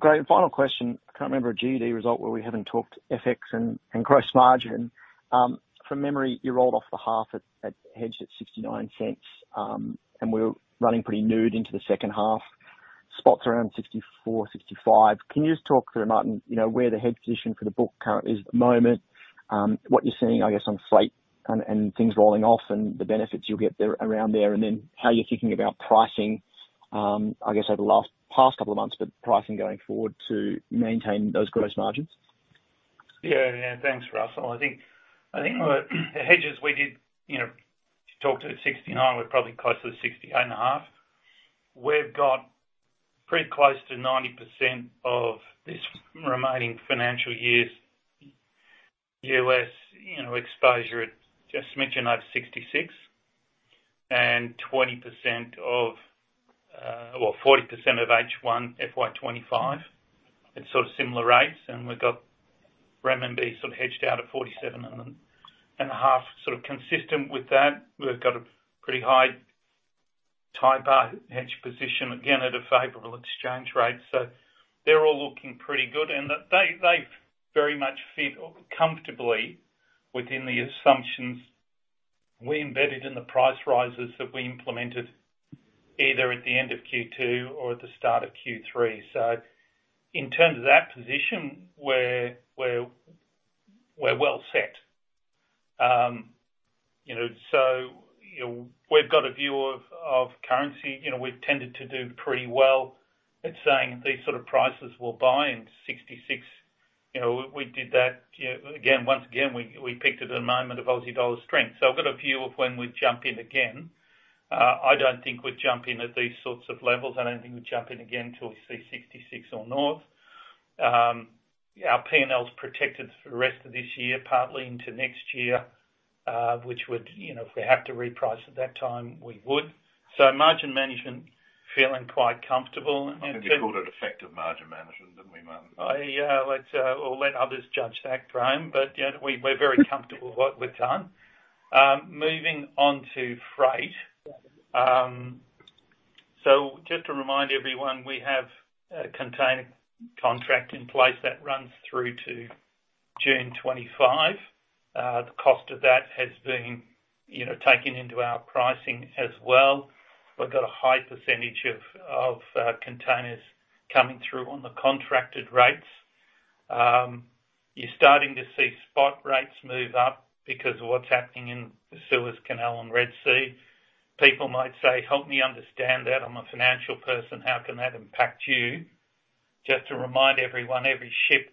Great. Final question. I can't remember a GUD result where we haven't talked FX and gross margin. From memory, you rolled off the half at hedged at 0.69 cents. And we're running pretty nude into the second half, spots around 64, 65. Can you just talk through, Martin, where the hedge position for the book currently is at the moment, what you're seeing, I guess, on fleet and things rolling off and the benefits you'll get around there, and then how you're thinking about pricing, I guess, over the last past couple of months, but pricing going forward to maintain those gross margins? Yeah. Yeah. Thanks, Russell. I think the hedges we did talk to at 69 were probably closer to 68.5. We've got pretty close to 90% of this remaining financial year's US exposure at, as I mentioned, over 66 and 20% of or 40% of H1 FY25 at sort of similar rates. We've got RMB sort of hedged out at 47.5, sort of consistent with that. We've got a pretty high THB hedge position, again, at a favorable exchange rate. So they're all looking pretty good. They've very much fit comfortably within the assumptions we embedded in the price rises that we implemented either at the end of Q2 or at the start of Q3. So in terms of that position, we're well set. We've got a view of currency. We've tended to do pretty well at saying these sort of prices will buy in 66. We did that. Again, once again, we picked at a moment of Aussie dollar strength. So I've got a view of when we jump in again. I don't think we'd jump in at these sorts of levels. I don't think we'd jump in again till we see 66 or north. Our P&L's protected for the rest of this year, partly into next year, which would, if we have to reprice at that time, we would. So margin management feeling quite comfortable. I think you called it effective margin management, didn't we, Martin? Yeah. I'll let others judge that, Graeme. But we're very comfortable with what we've done. Moving on to freight. So just to remind everyone, we have a container contract in place that runs through to June 25. The cost of that has been taken into our pricing as well. We've got a high percentage of containers coming through on the contracted rates. You're starting to see spot rates move up because of what's happening in the Suez Canal and Red Sea. People might say, "Help me understand that. I'm a financial person. How can that impact you?" Just to remind everyone, every ship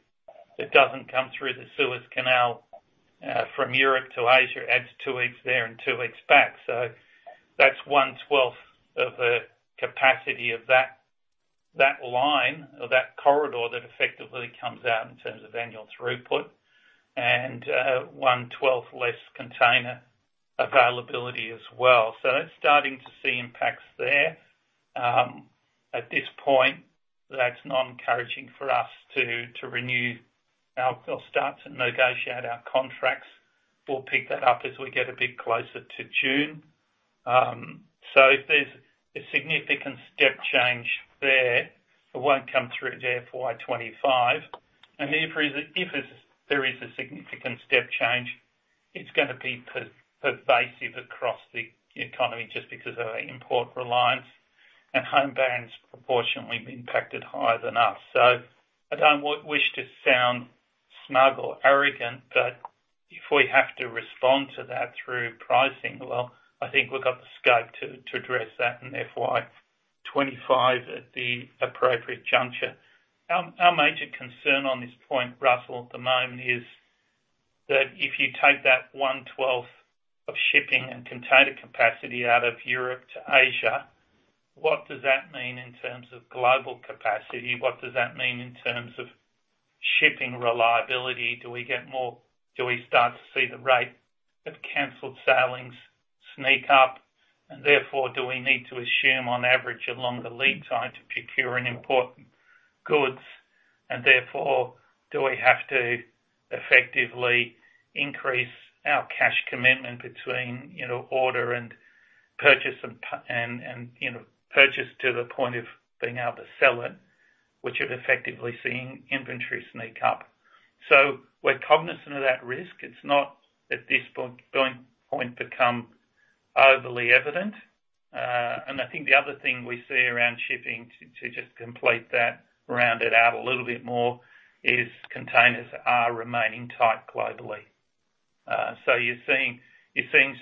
that doesn't come through the Suez Canal from Europe to Asia adds two weeks there and two weeks back. So that's 1/12th of the capacity of that line or that corridor that effectively comes out in terms of annual throughput and 1/12th less container availability as well. So that's starting to see impacts there. At this point, that's not encouraging for us to renew or start to negotiate our contracts. We'll pick that up as we get a bit closer to June. So if there's a significant step change there, it won't come through to FY25. If there is a significant step change, it's going to be pervasive across the economy just because of our import reliance and home brands proportionally impacted higher than us. So I don't wish to sound smug or arrogant, but if we have to respond to that through pricing, well, I think we've got the scope to address that in FY25 at the appropriate juncture. Our major concern on this point, Russell, at the moment is that if you take that 1/12th of shipping and container capacity out of Europe to Asia, what does that mean in terms of global capacity? What does that mean in terms of shipping reliability? Do we start to see the rate of canceled sailings sneak up? And therefore, do we need to assume, on average, a longer lead time to procure imported goods? Therefore, do we have to effectively increase our cash commitment between order and purchase and purchase to the point of being able to sell it, which would effectively see inventory sneak up? So we're cognizant of that risk. It's not at this point become overly evident. And I think the other thing we see around shipping to just complete that, round it out a little bit more, is containers are remaining tight globally. So you're seeing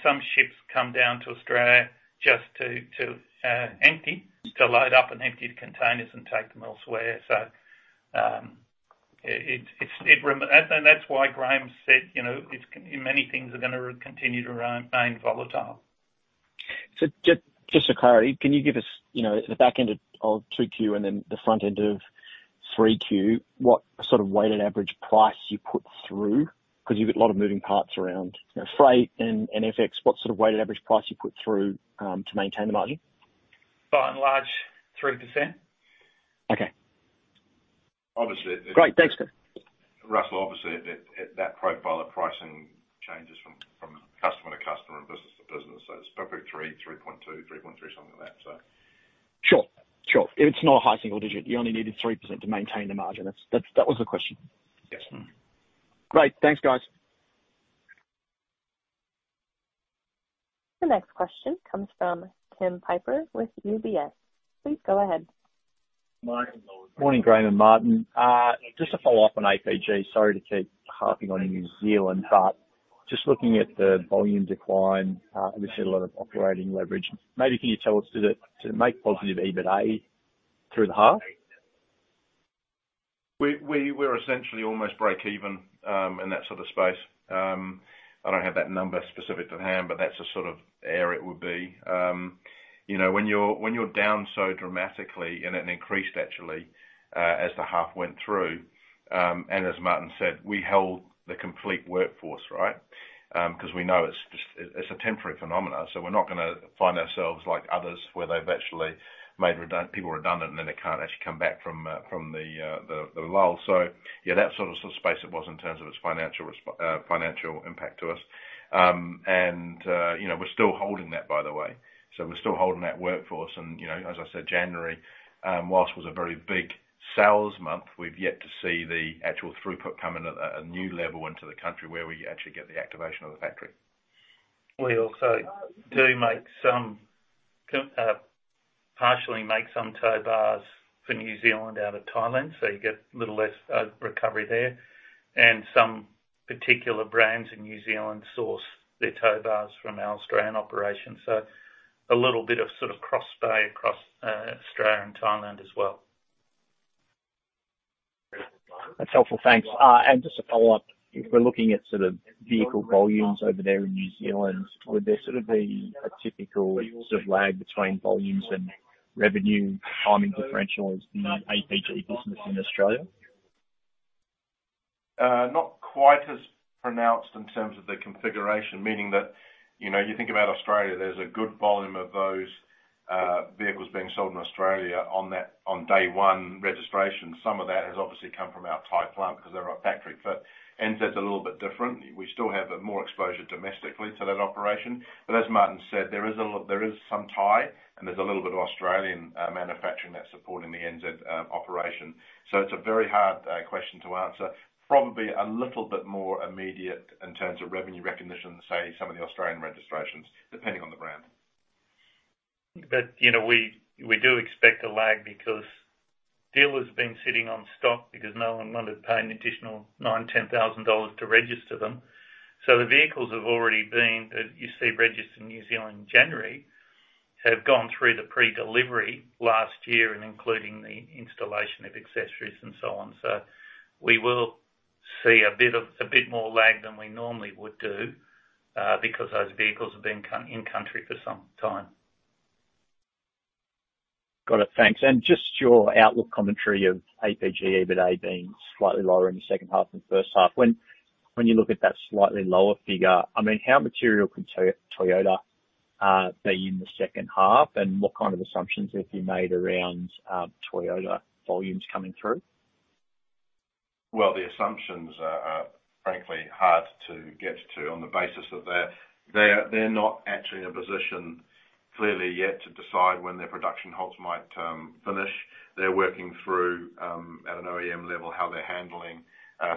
some ships come down to Australia just to empty, to load up and empty the containers and take them elsewhere. So that's why Graeme said many things are going to continue to remain volatile. So just for clarity, can you give us the back end of 2Q and then the front end of 3Q, what sort of weighted average price you put through? Because you've got a lot of moving parts around freight and FX. What sort of weighted average price you put through to maintain the margin? By and large, 3%. Okay. Obviously- Great. Thanks. Russell, obviously, at that profile, the pricing changes from customer to customer and business to business. So it's perfect 3, 3.2, 3.3, something like that, so. Sure. Sure. It's not a high single digit. You only needed 3% to maintain the margin. That was the question. Yes. Great. Thanks, guys. The next question comes from Tim Piper with UBS. Please go ahead. Morning, Graeme and Martin. Just to follow up on APG, sorry to keep harping on New Zealand, but just looking at the volume decline, obviously, a lot of operating leverage. Maybe can you tell us to make positive EBITDA through the half? We're essentially almost break-even in that sort of space. I don't have that number specific to hand, but that's the sort of area it would be. When you're down so dramatically and it increased, actually, as the half went through and as Martin said, we held the complete workforce, right, because we know it's a temporary phenomenon. So we're not going to find ourselves like others where they've actually made people redundant, and then they can't actually come back from the lull. So yeah, that sort of space it was in terms of its financial impact to us. And we're still holding that, by the way. So we're still holding that workforce. And as I said, January, while it was a very big sales month, we've yet to see the actual throughput come at a new level into the country where we actually get the activation of the factory. We also do partially make some tow bars for New Zealand out of Thailand, so you get a little less recovery there. And some particular brands in New Zealand source their tow bars from our Australian operations. So a little bit of sort of cross-play across Australia and Thailand as well. That's helpful. Thanks. And just to follow up, if we're looking at sort of vehicle volumes over there in New Zealand, would there sort of be a typical sort of lag between volumes and revenue timing differential as the APG business in Australia? Not quite as pronounced in terms of the configuration, meaning that you think about Australia, there's a good volume of those vehicles being sold in Australia on day one registration. Some of that has obviously come from our Thai plant because they're a factory. But NZ's a little bit different. We still have more exposure domestically to that operation. But as Martin said, there is some Thai, and there's a little bit of Australian manufacturing that's supporting the NZ operation. So it's a very hard question to answer. Probably a little bit more immediate in terms of revenue recognition than, say, some of the Australian registrations, depending on the brand. But we do expect a lag because dealers have been sitting on stock because no one wanted to pay an additional 9,000-10,000 dollars to register them. So the vehicles have already been that you see registered in New Zealand in January have gone through the pre-delivery last year and including the installation of accessories and so on. So we will see a bit more lag than we normally would do because those vehicles have been in country for some time. Got it. Thanks. Just your outlook commentary of APG EBITDA being slightly lower in the second half than first half. When you look at that slightly lower figure, I mean, how material could Toyota be in the second half, and what kind of assumptions have you made around Toyota volumes coming through? Well, the assumptions are, frankly, hard to get to on the basis of they're not actually in a position clearly yet to decide when their production halt might finish. They're working through, at an OEM level, how they're handling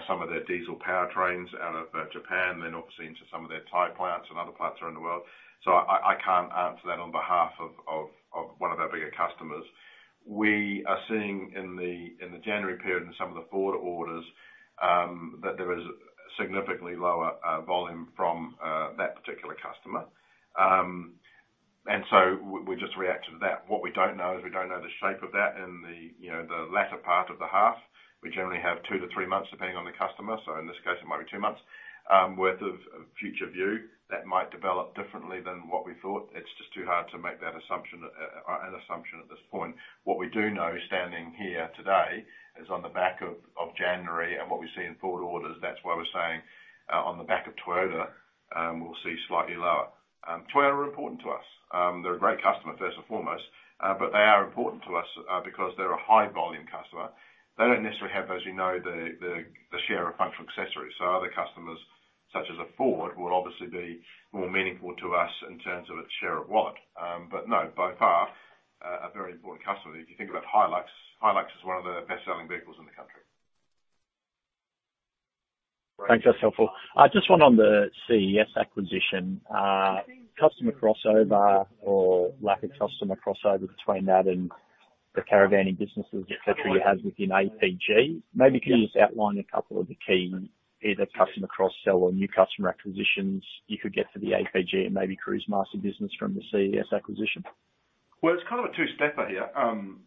some of their diesel powertrains out of Japan, then obviously into some of their Thai plants and other plants around the world. So I can't answer that on behalf of one of our bigger customers. We are seeing in the January period and some of the forward orders that there is significantly lower volume from that particular customer. So we just reacted to that. What we don't know is we don't know the shape of that in the latter part of the half. We generally have two to three months, depending on the customer. So in this case, it might be two months' worth of future view. That might develop differently than what we thought. It's just too hard to make that assumption at this point. What we do know, standing here today, is on the back of January and what we see in forward orders, that's why we're saying on the back of Toyota, we'll see slightly lower. Toyota are important to us. They're a great customer, first and foremost. But they are important to us because they're a high-volume customer. They don't necessarily have, as we know, the share of functional accessories. So other customers such as Ford will obviously be more meaningful to us in terms of its share of wallet. But no, by far, a very important customer. If you think about Hilux, Hilux is one of the best-selling vehicles in the country. Thanks. That's helpful. Just one on the CES acquisition. Customer crossover or lack of customer crossover between that and the caravanning businesses, etc., you have within APG. Maybe can you just outline a couple of the key either customer cross-sell or new customer acquisitions you could get for the APG and maybe Cruisemaster business from the CES acquisition? Well, it's kind of a two-stepper here.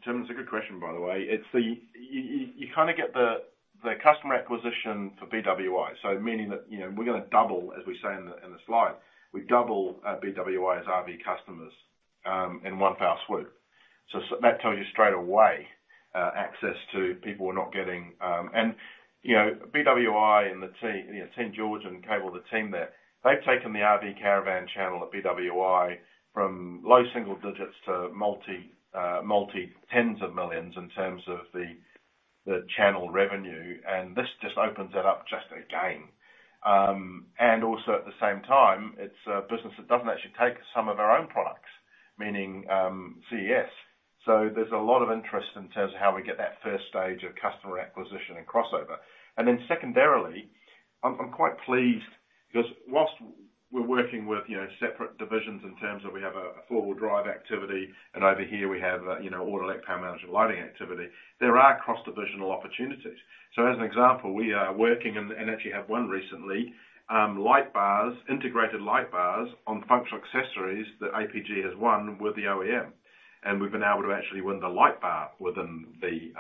Gentlemen, it's a good question, by the way. You kind of get the customer acquisition for BWI, so meaning that we're going to double, as we say in the slide, we double BWI's RV customers in one fell swoop. So that tells you straight away access to people who are not getting and BWI and the team George and Caleb, the team there. They've taken the RV caravan channel at BWI from low single digits to multi-tens of millions in terms of the channel revenue. And this just opens it up just again. And also, at the same time, it's a business that doesn't actually take some of our own products, meaning CES. So there's a lot of interest in terms of how we get that first stage of customer acquisition and crossover. And then secondarily, I'm quite pleased because while we're working with separate divisions in terms of we have a four-wheel drive activity, and over here, we have auto electrical power management lighting activity, there are cross-divisional opportunities. So, as an example, we are working and actually have won recently integrated light bars on functional accessories that APG has won with the OEM. And we've been able to actually win the light bar within the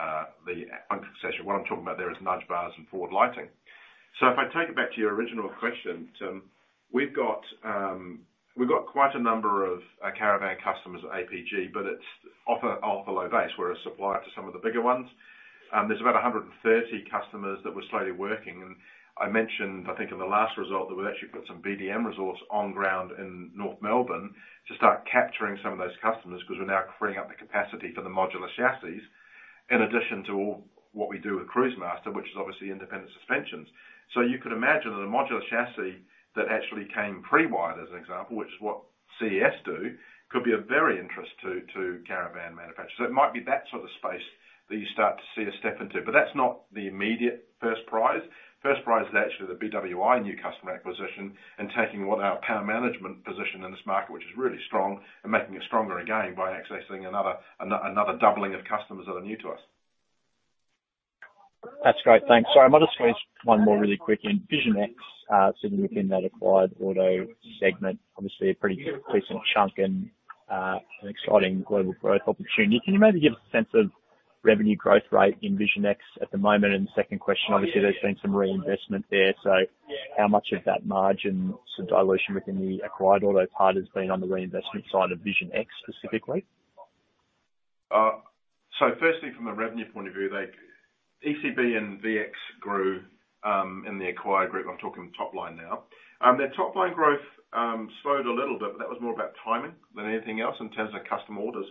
functional accessory. What I'm talking about there is nudge bars and forward lighting. So if I take it back to your original question, Tim, we've got quite a number of caravan customers at APG, but it's off a low base. We're a supplier to some of the bigger ones. There's about 130 customers that we're slowly working. And I mentioned, I think, in the last result that we've actually put some BDM resource on ground in North Melbourne to start capturing some of those customers because we're now freeing up the capacity for the modular chassis in addition to all what we do with Cruisemaster, which is obviously independent suspensions. So you could imagine that a modular chassis that actually came pre-wired, as an example, which is what CES do, could be of very interest to caravan manufacturers. So it might be that sort of space that you start to see a step into. But that's not the immediate first prize. First prize is actually the BWI new customer acquisition and taking what our power management position in this market, which is really strong, and making it stronger again by accessing another doubling of customers that are new to us. That's great. Thanks. Sorry, I might ask one more really quick. Vision X, sitting within that acquired auto segment, obviously, a pretty decent chunk and an exciting global growth opportunity. Can you maybe give us a sense of revenue growth rate in Vision X at the moment? And the second question, obviously, there's been some reinvestment there. So how much of that margin sort of dilution within the acquired auto part has been on the reinvestment side of Vision X specifically? So firstly, from a revenue point of view, ECB and VX grew in the acquired group. I'm talking top line now. Their top line growth slowed a little bit, but that was more about timing than anything else in terms of customer orders.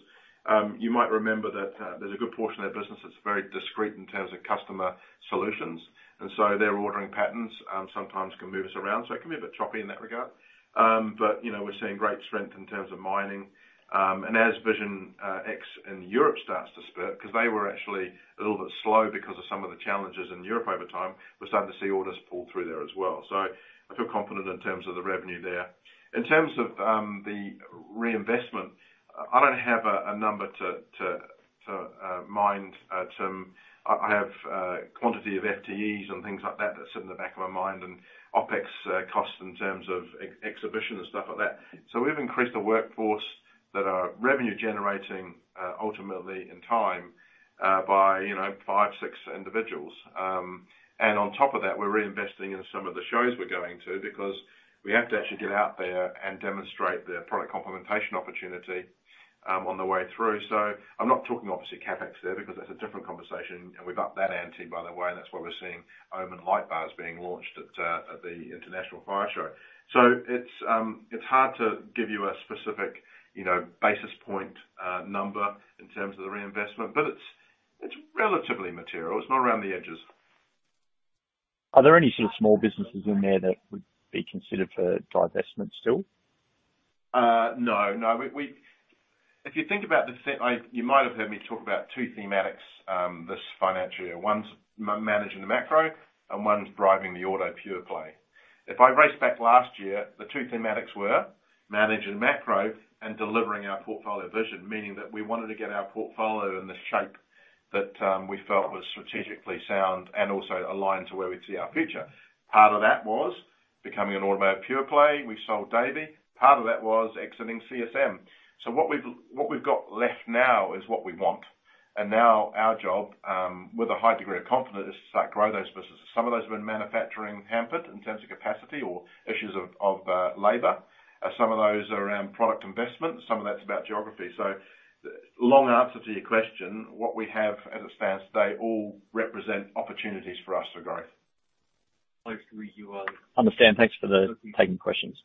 You might remember that there's a good portion of their business that's very discrete in terms of customer solutions. And so their ordering patterns sometimes can move us around. So it can be a bit choppy in that regard. But we're seeing great strength in terms of mining. And as Vision X in Europe starts to spur because they were actually a little bit slow because of some of the challenges in Europe over time, we're starting to see orders pull through there as well. So I feel confident in terms of the revenue there. In terms of the reinvestment, I don't have a number to mind, Tim. I have quantity of FTEs and things like that that sit in the back of my mind and OPEX costs in terms of exhibition and stuff like that. So we've increased the workforce that are revenue-generating ultimately in time by 5-6 individuals. And on top of that, we're reinvesting in some of the shows we're going to because we have to actually get out there and demonstrate their product complementation opportunity on the way through. So I'm not talking, obviously, CapEx there because that's a different conversation. And we've upped that ante, by the way. And that's why we're seeing OEM light bars being launched at the International Fire Show. So it's hard to give you a specific basis point number in terms of the reinvestment, but it's relatively material. It's not around the edges. Are there any sort of small businesses in there that would be considered for divestment still? No. No. If you think about, you might have heard me talk about two thematics this financial year. One's managing the macro, and one's driving the auto pure play. If I trace back last year, the two thematics were managing the macro and delivering our portfolio vision, meaning that we wanted to get our portfolio in the shape that we felt was strategically sound and also aligned to where we see our future. Part of that was becoming an automotive pure play. We sold Davey. Part of that was exiting CSM. So what we've got left now is what we want. Now our job, with a high degree of confidence, is to start growing those businesses. Some of those have been manufacturing hampered in terms of capacity or issues of labor. Some of those are around product investment. Some of that's about geography. So long answer to your question, what we have as it stands today all represent opportunities for us for growth. Thanks for taking questions.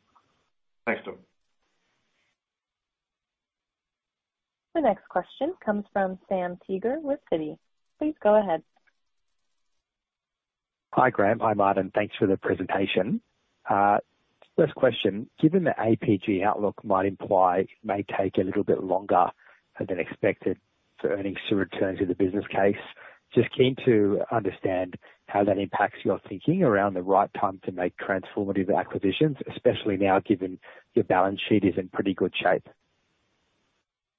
Thanks, Tim. The next question comes from Sam Teager with Citi. Please go ahead. Hi, Graeme. Hi, Martin. Thanks for the presentation. First question, given the APG outlook might imply it may take a little bit longer than expected for earnings to return to the business case, just keen to understand how that impacts your thinking around the right time to make transformative acquisitions, especially now given your balance sheet is in pretty good shape.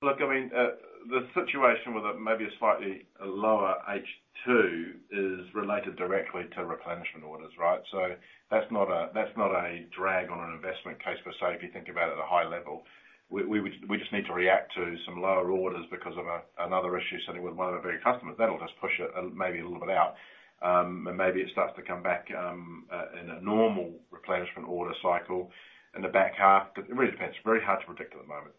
Look, I mean, the situation with maybe a slightly lower H2 is related directly to replenishment orders, right? So that's not a drag on an investment case per se if you think about it at a high level. We just need to react to some lower orders because of another issue sitting with one of our bigger customers. That'll just push it maybe a little bit out. And maybe it starts to come back in a normal replenishment order cycle in the back half. It really depends. It's very hard to predict at the moment.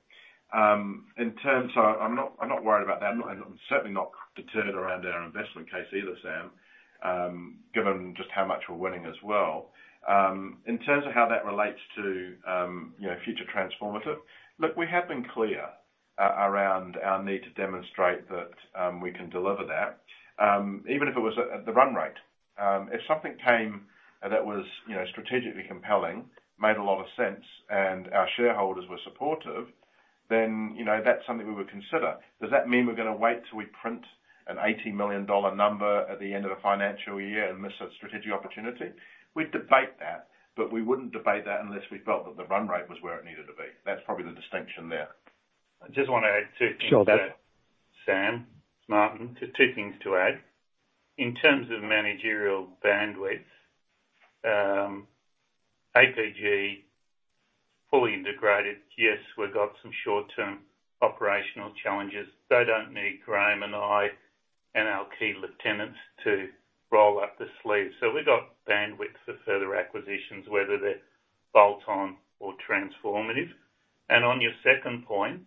So I'm not worried about that. I'm certainly not deterred around our investment case either, Sam, given just how much we're winning as well. In terms of how that relates to future transformative, look, we have been clear around our need to demonstrate that we can deliver that, even if it was at the run rate. If something came that was strategically compelling, made a lot of sense, and our shareholders were supportive, then that's something we would consider. Does that mean we're going to wait till we print an 80 million dollar number at the end of the financial year and miss a strategic opportunity? We'd debate that, but we wouldn't debate that unless we felt that the run rate was where it needed to be. That's probably the distinction there. I just want to add two things to that. Sure. Sam, Martin, two things to add. In terms of managerial bandwidth, APG fully integrated, yes, we've got some short-term operational challenges. They don't need Graeme and I and our key lieutenants to roll up the sleeves. So we've got bandwidth for further acquisitions, whether they're bolt-on or transformative. And on your second point,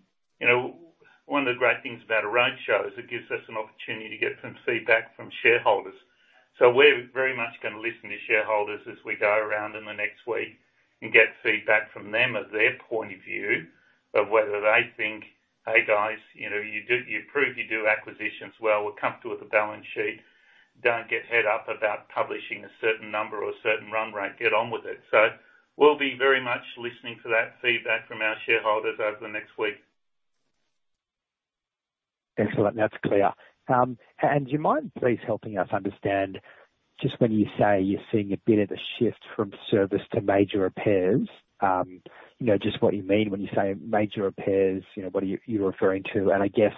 one of the great things about a roadshow is it gives us an opportunity to get some feedback from shareholders. So we're very much going to listen to shareholders as we go around in the next week and get feedback from them of their point of view of whether they think, "Hey, guys, you prove you do acquisitions well. We're comfortable with the balance sheet. Don't get hung up about publishing a certain number or a certain run rate. Get on with it." So we'll be very much listening for that feedback from our shareholders over the next week. Excellent. That's clear. Do you mind please helping us understand just when you say you're seeing a bit of a shift from service to major repairs, just what you mean when you say major repairs, what are you referring to? I guess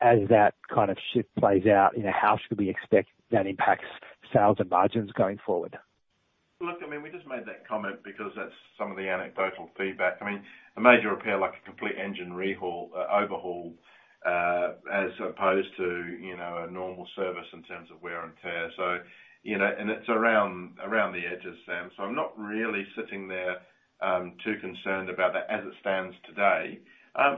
as that kind of shift plays out, how should we expect that impacts sales and margins going forward? Look, I mean, we just made that comment because that's some of the anecdotal feedback. I mean, a major repair, like a complete engine overhaul, as opposed to a normal service in terms of wear and tear. It's around the edges, Sam. So I'm not really sitting there too concerned about that as it stands today.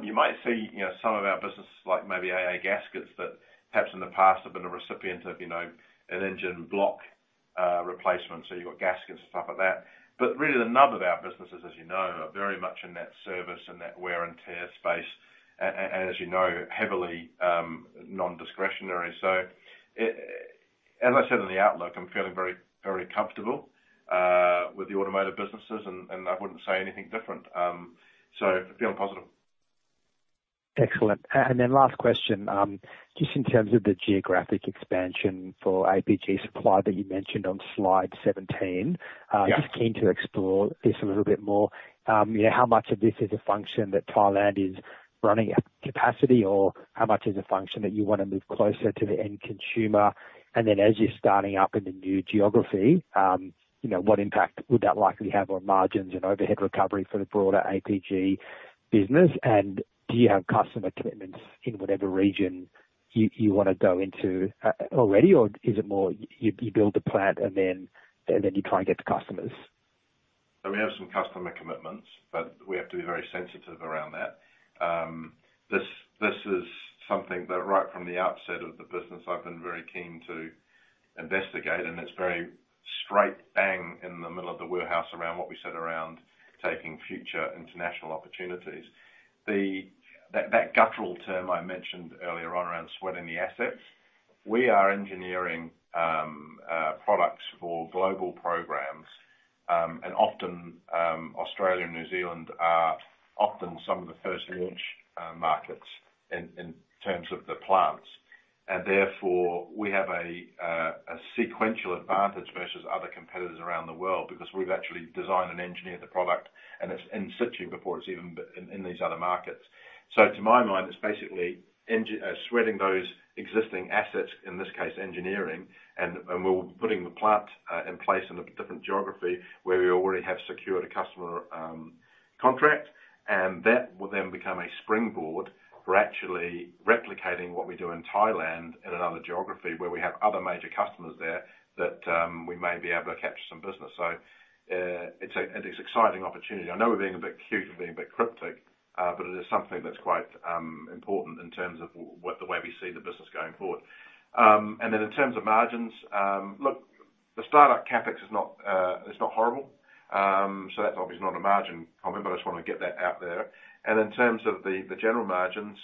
You might see some of our businesses, like maybe AA Gaskets, that perhaps in the past have been a recipient of an engine block replacement. So you've got gaskets and stuff like that. But really, the nub of our businesses, as you know, are very much in that service and that wear and tear space and, as you know, heavily nondiscretionary. So as I said in the outlook, I'm feeling very comfortable with the automotive businesses, and I wouldn't say anything different. So feeling positive. Excellent. And then last question, just in terms of the geographic expansion for APG supply that you mentioned on slide 17, just keen to explore this a little bit more. How much of this is a function that Thailand is running capacity, or how much is a function that you want to move closer to the end consumer? And then as you're starting up in the new geography, what impact would that likely have on margins and overhead recovery for the broader APG business? And do you have customer commitments in whatever region you want to go into already, or is it more you build the plant, and then you try and get to customers? So we have some customer commitments, but we have to be very sensitive around that. This is something that right from the outset of the business, I've been very keen to investigate. And it's very smack bang in the middle of the wheelhouse around what we said around taking future international opportunities. That guttural term I mentioned earlier on around sweating the assets, we are engineering products for global programs. And often, Australia and New Zealand are often some of the first launch markets in terms of the plants. Therefore, we have a sequential advantage versus other competitors around the world because we've actually designed and engineered the product, and it's in situ before it's even in these other markets. To my mind, it's basically sweating those existing assets, in this case, engineering, and we'll be putting the plant in place in a different geography where we already have secured a customer contract. That will then become a springboard for actually replicating what we do in Thailand in another geography where we have other major customers there that we may be able to capture some business. It's an exciting opportunity. I know we're being a bit cute and being a bit cryptic, but it is something that's quite important in terms of the way we see the business going forward. Then in terms of margins, look, the startup CapEx is not horrible. So that's obviously not a margin comment, but I just want to get that out there. In terms of the general margins,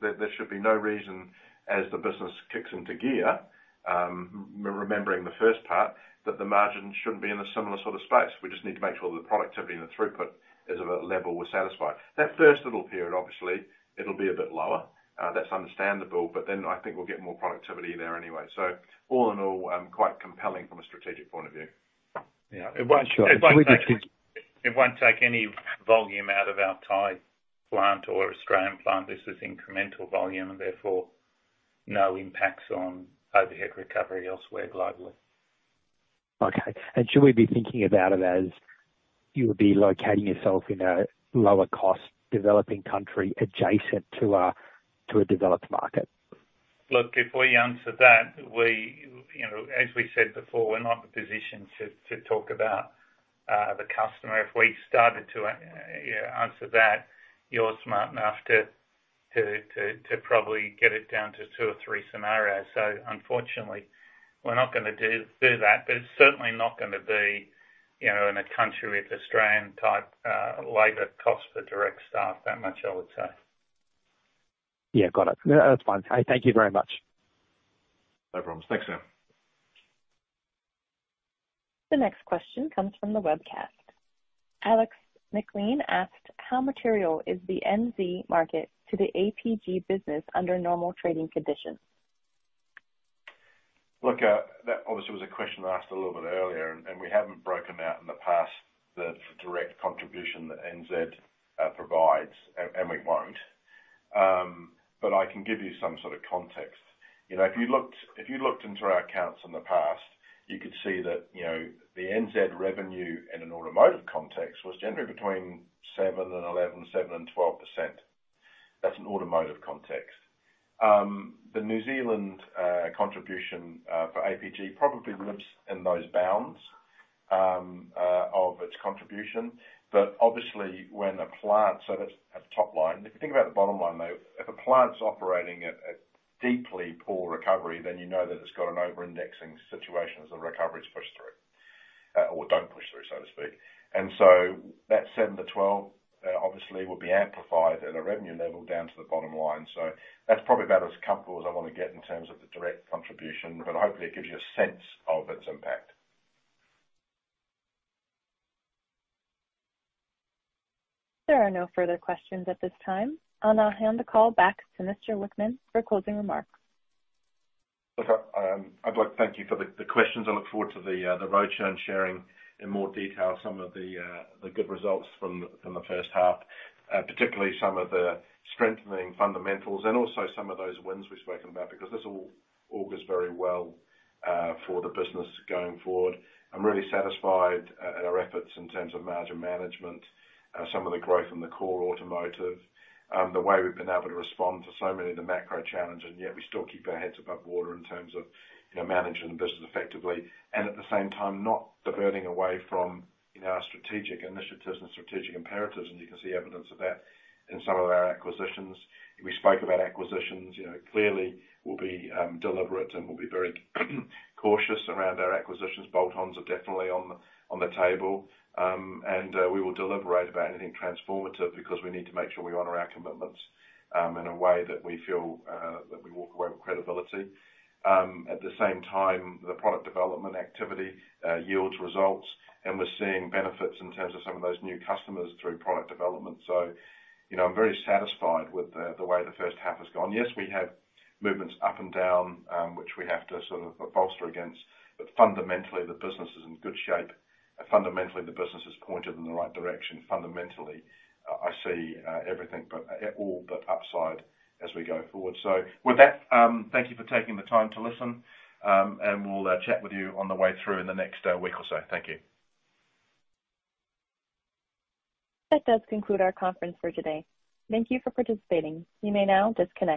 there should be no reason as the business kicks into gear, remembering the first part, that the margin shouldn't be in a similar sort of space. We just need to make sure that the productivity and the throughput is of a level we're satisfied. That first little period, obviously, it'll be a bit lower. That's understandable. But then I think we'll get more productivity there anyway. So all in all, quite compelling from a strategic point of view. Yeah. It won't take any volume out of our Thai plant or Australian plant. This is incremental volume, and therefore, no impacts on overhead recovery elsewhere globally. Okay. Should we be thinking about it as you would be locating yourself in a lower-cost developing country adjacent to a developed market? Look, before you answer that, as we said before, we're not in a position to talk about the customer. If we started to answer that, you're smart enough to probably get it down to two or three scenarios. So unfortunately, we're not going to do that. But it's certainly not going to be in a country with Australian-type labor costs for direct staff that much, I would say. Yeah. Got it. That's fine. Thank you very much. No problems. Thanks, Sam. The next question comes from the webcast. Alex McLean asked, "How material is the NZ market to the APG business under normal trading conditions?" Look, that obviously was a question that I asked a little bit earlier, and we haven't broken out in the past the direct contribution that NZ provides, and we won't. But I can give you some sort of context. If you looked into our accounts in the past, you could see that the NZ revenue in an automotive context was generally between 7 and 11, 7 and 12%. That's an automotive context. The New Zealand contribution for APG probably lives in those bounds of its contribution. But obviously, when a plant so that's at the top line. If you think about the bottom line, though, if a plant's operating at deeply poor recovery, then you know that it's got an over-indexing situation as the recovery's pushed through or don't push through, so to speak. And so that 7-12, obviously, will be amplified at a revenue level down to the bottom line. So that's probably about as comfortable as I want to get in terms of the direct contribution. But hopefully, it gives you a sense of its impact. There are no further questions at this time. I'll now hand the call back to Mr. Whickman for closing remarks. Look, I'd like to thank you for the questions. I look forward to the roadshow and sharing in more detail some of the good results from the first half, particularly some of the strengthening fundamentals and also some of those wins we've spoken about because this all augurs very well for the business going forward. I'm really satisfied at our efforts in terms of margin management, some of the growth in the core automotive, the way we've been able to respond to so many of the macro challenges, and yet we still keep our heads above water in terms of managing the business effectively and at the same time not diverting away from our strategic initiatives and strategic imperatives. You can see evidence of that in some of our acquisitions. We spoke about acquisitions. Clearly, we'll be deliberate and we'll be very cautious around our acquisitions. Bolt-ons are definitely on the table. We will deliberate about anything transformative because we need to make sure we honor our commitments in a way that we feel that we walk away with credibility. At the same time, the product development activity yields results, and we're seeing benefits in terms of some of those new customers through product development. So I'm very satisfied with the way the first half has gone. Yes, we have movements up and down which we have to sort of bolster against. But fundamentally, the business is in good shape. Fundamentally, the business is pointed in the right direction. Fundamentally, I see everything but all but upside as we go forward. So with that, thank you for taking the time to listen, and we'll chat with you on the way through in the next week or so. Thank you. That does conclude our conference for today. Thank you for participating. You may now disconnect.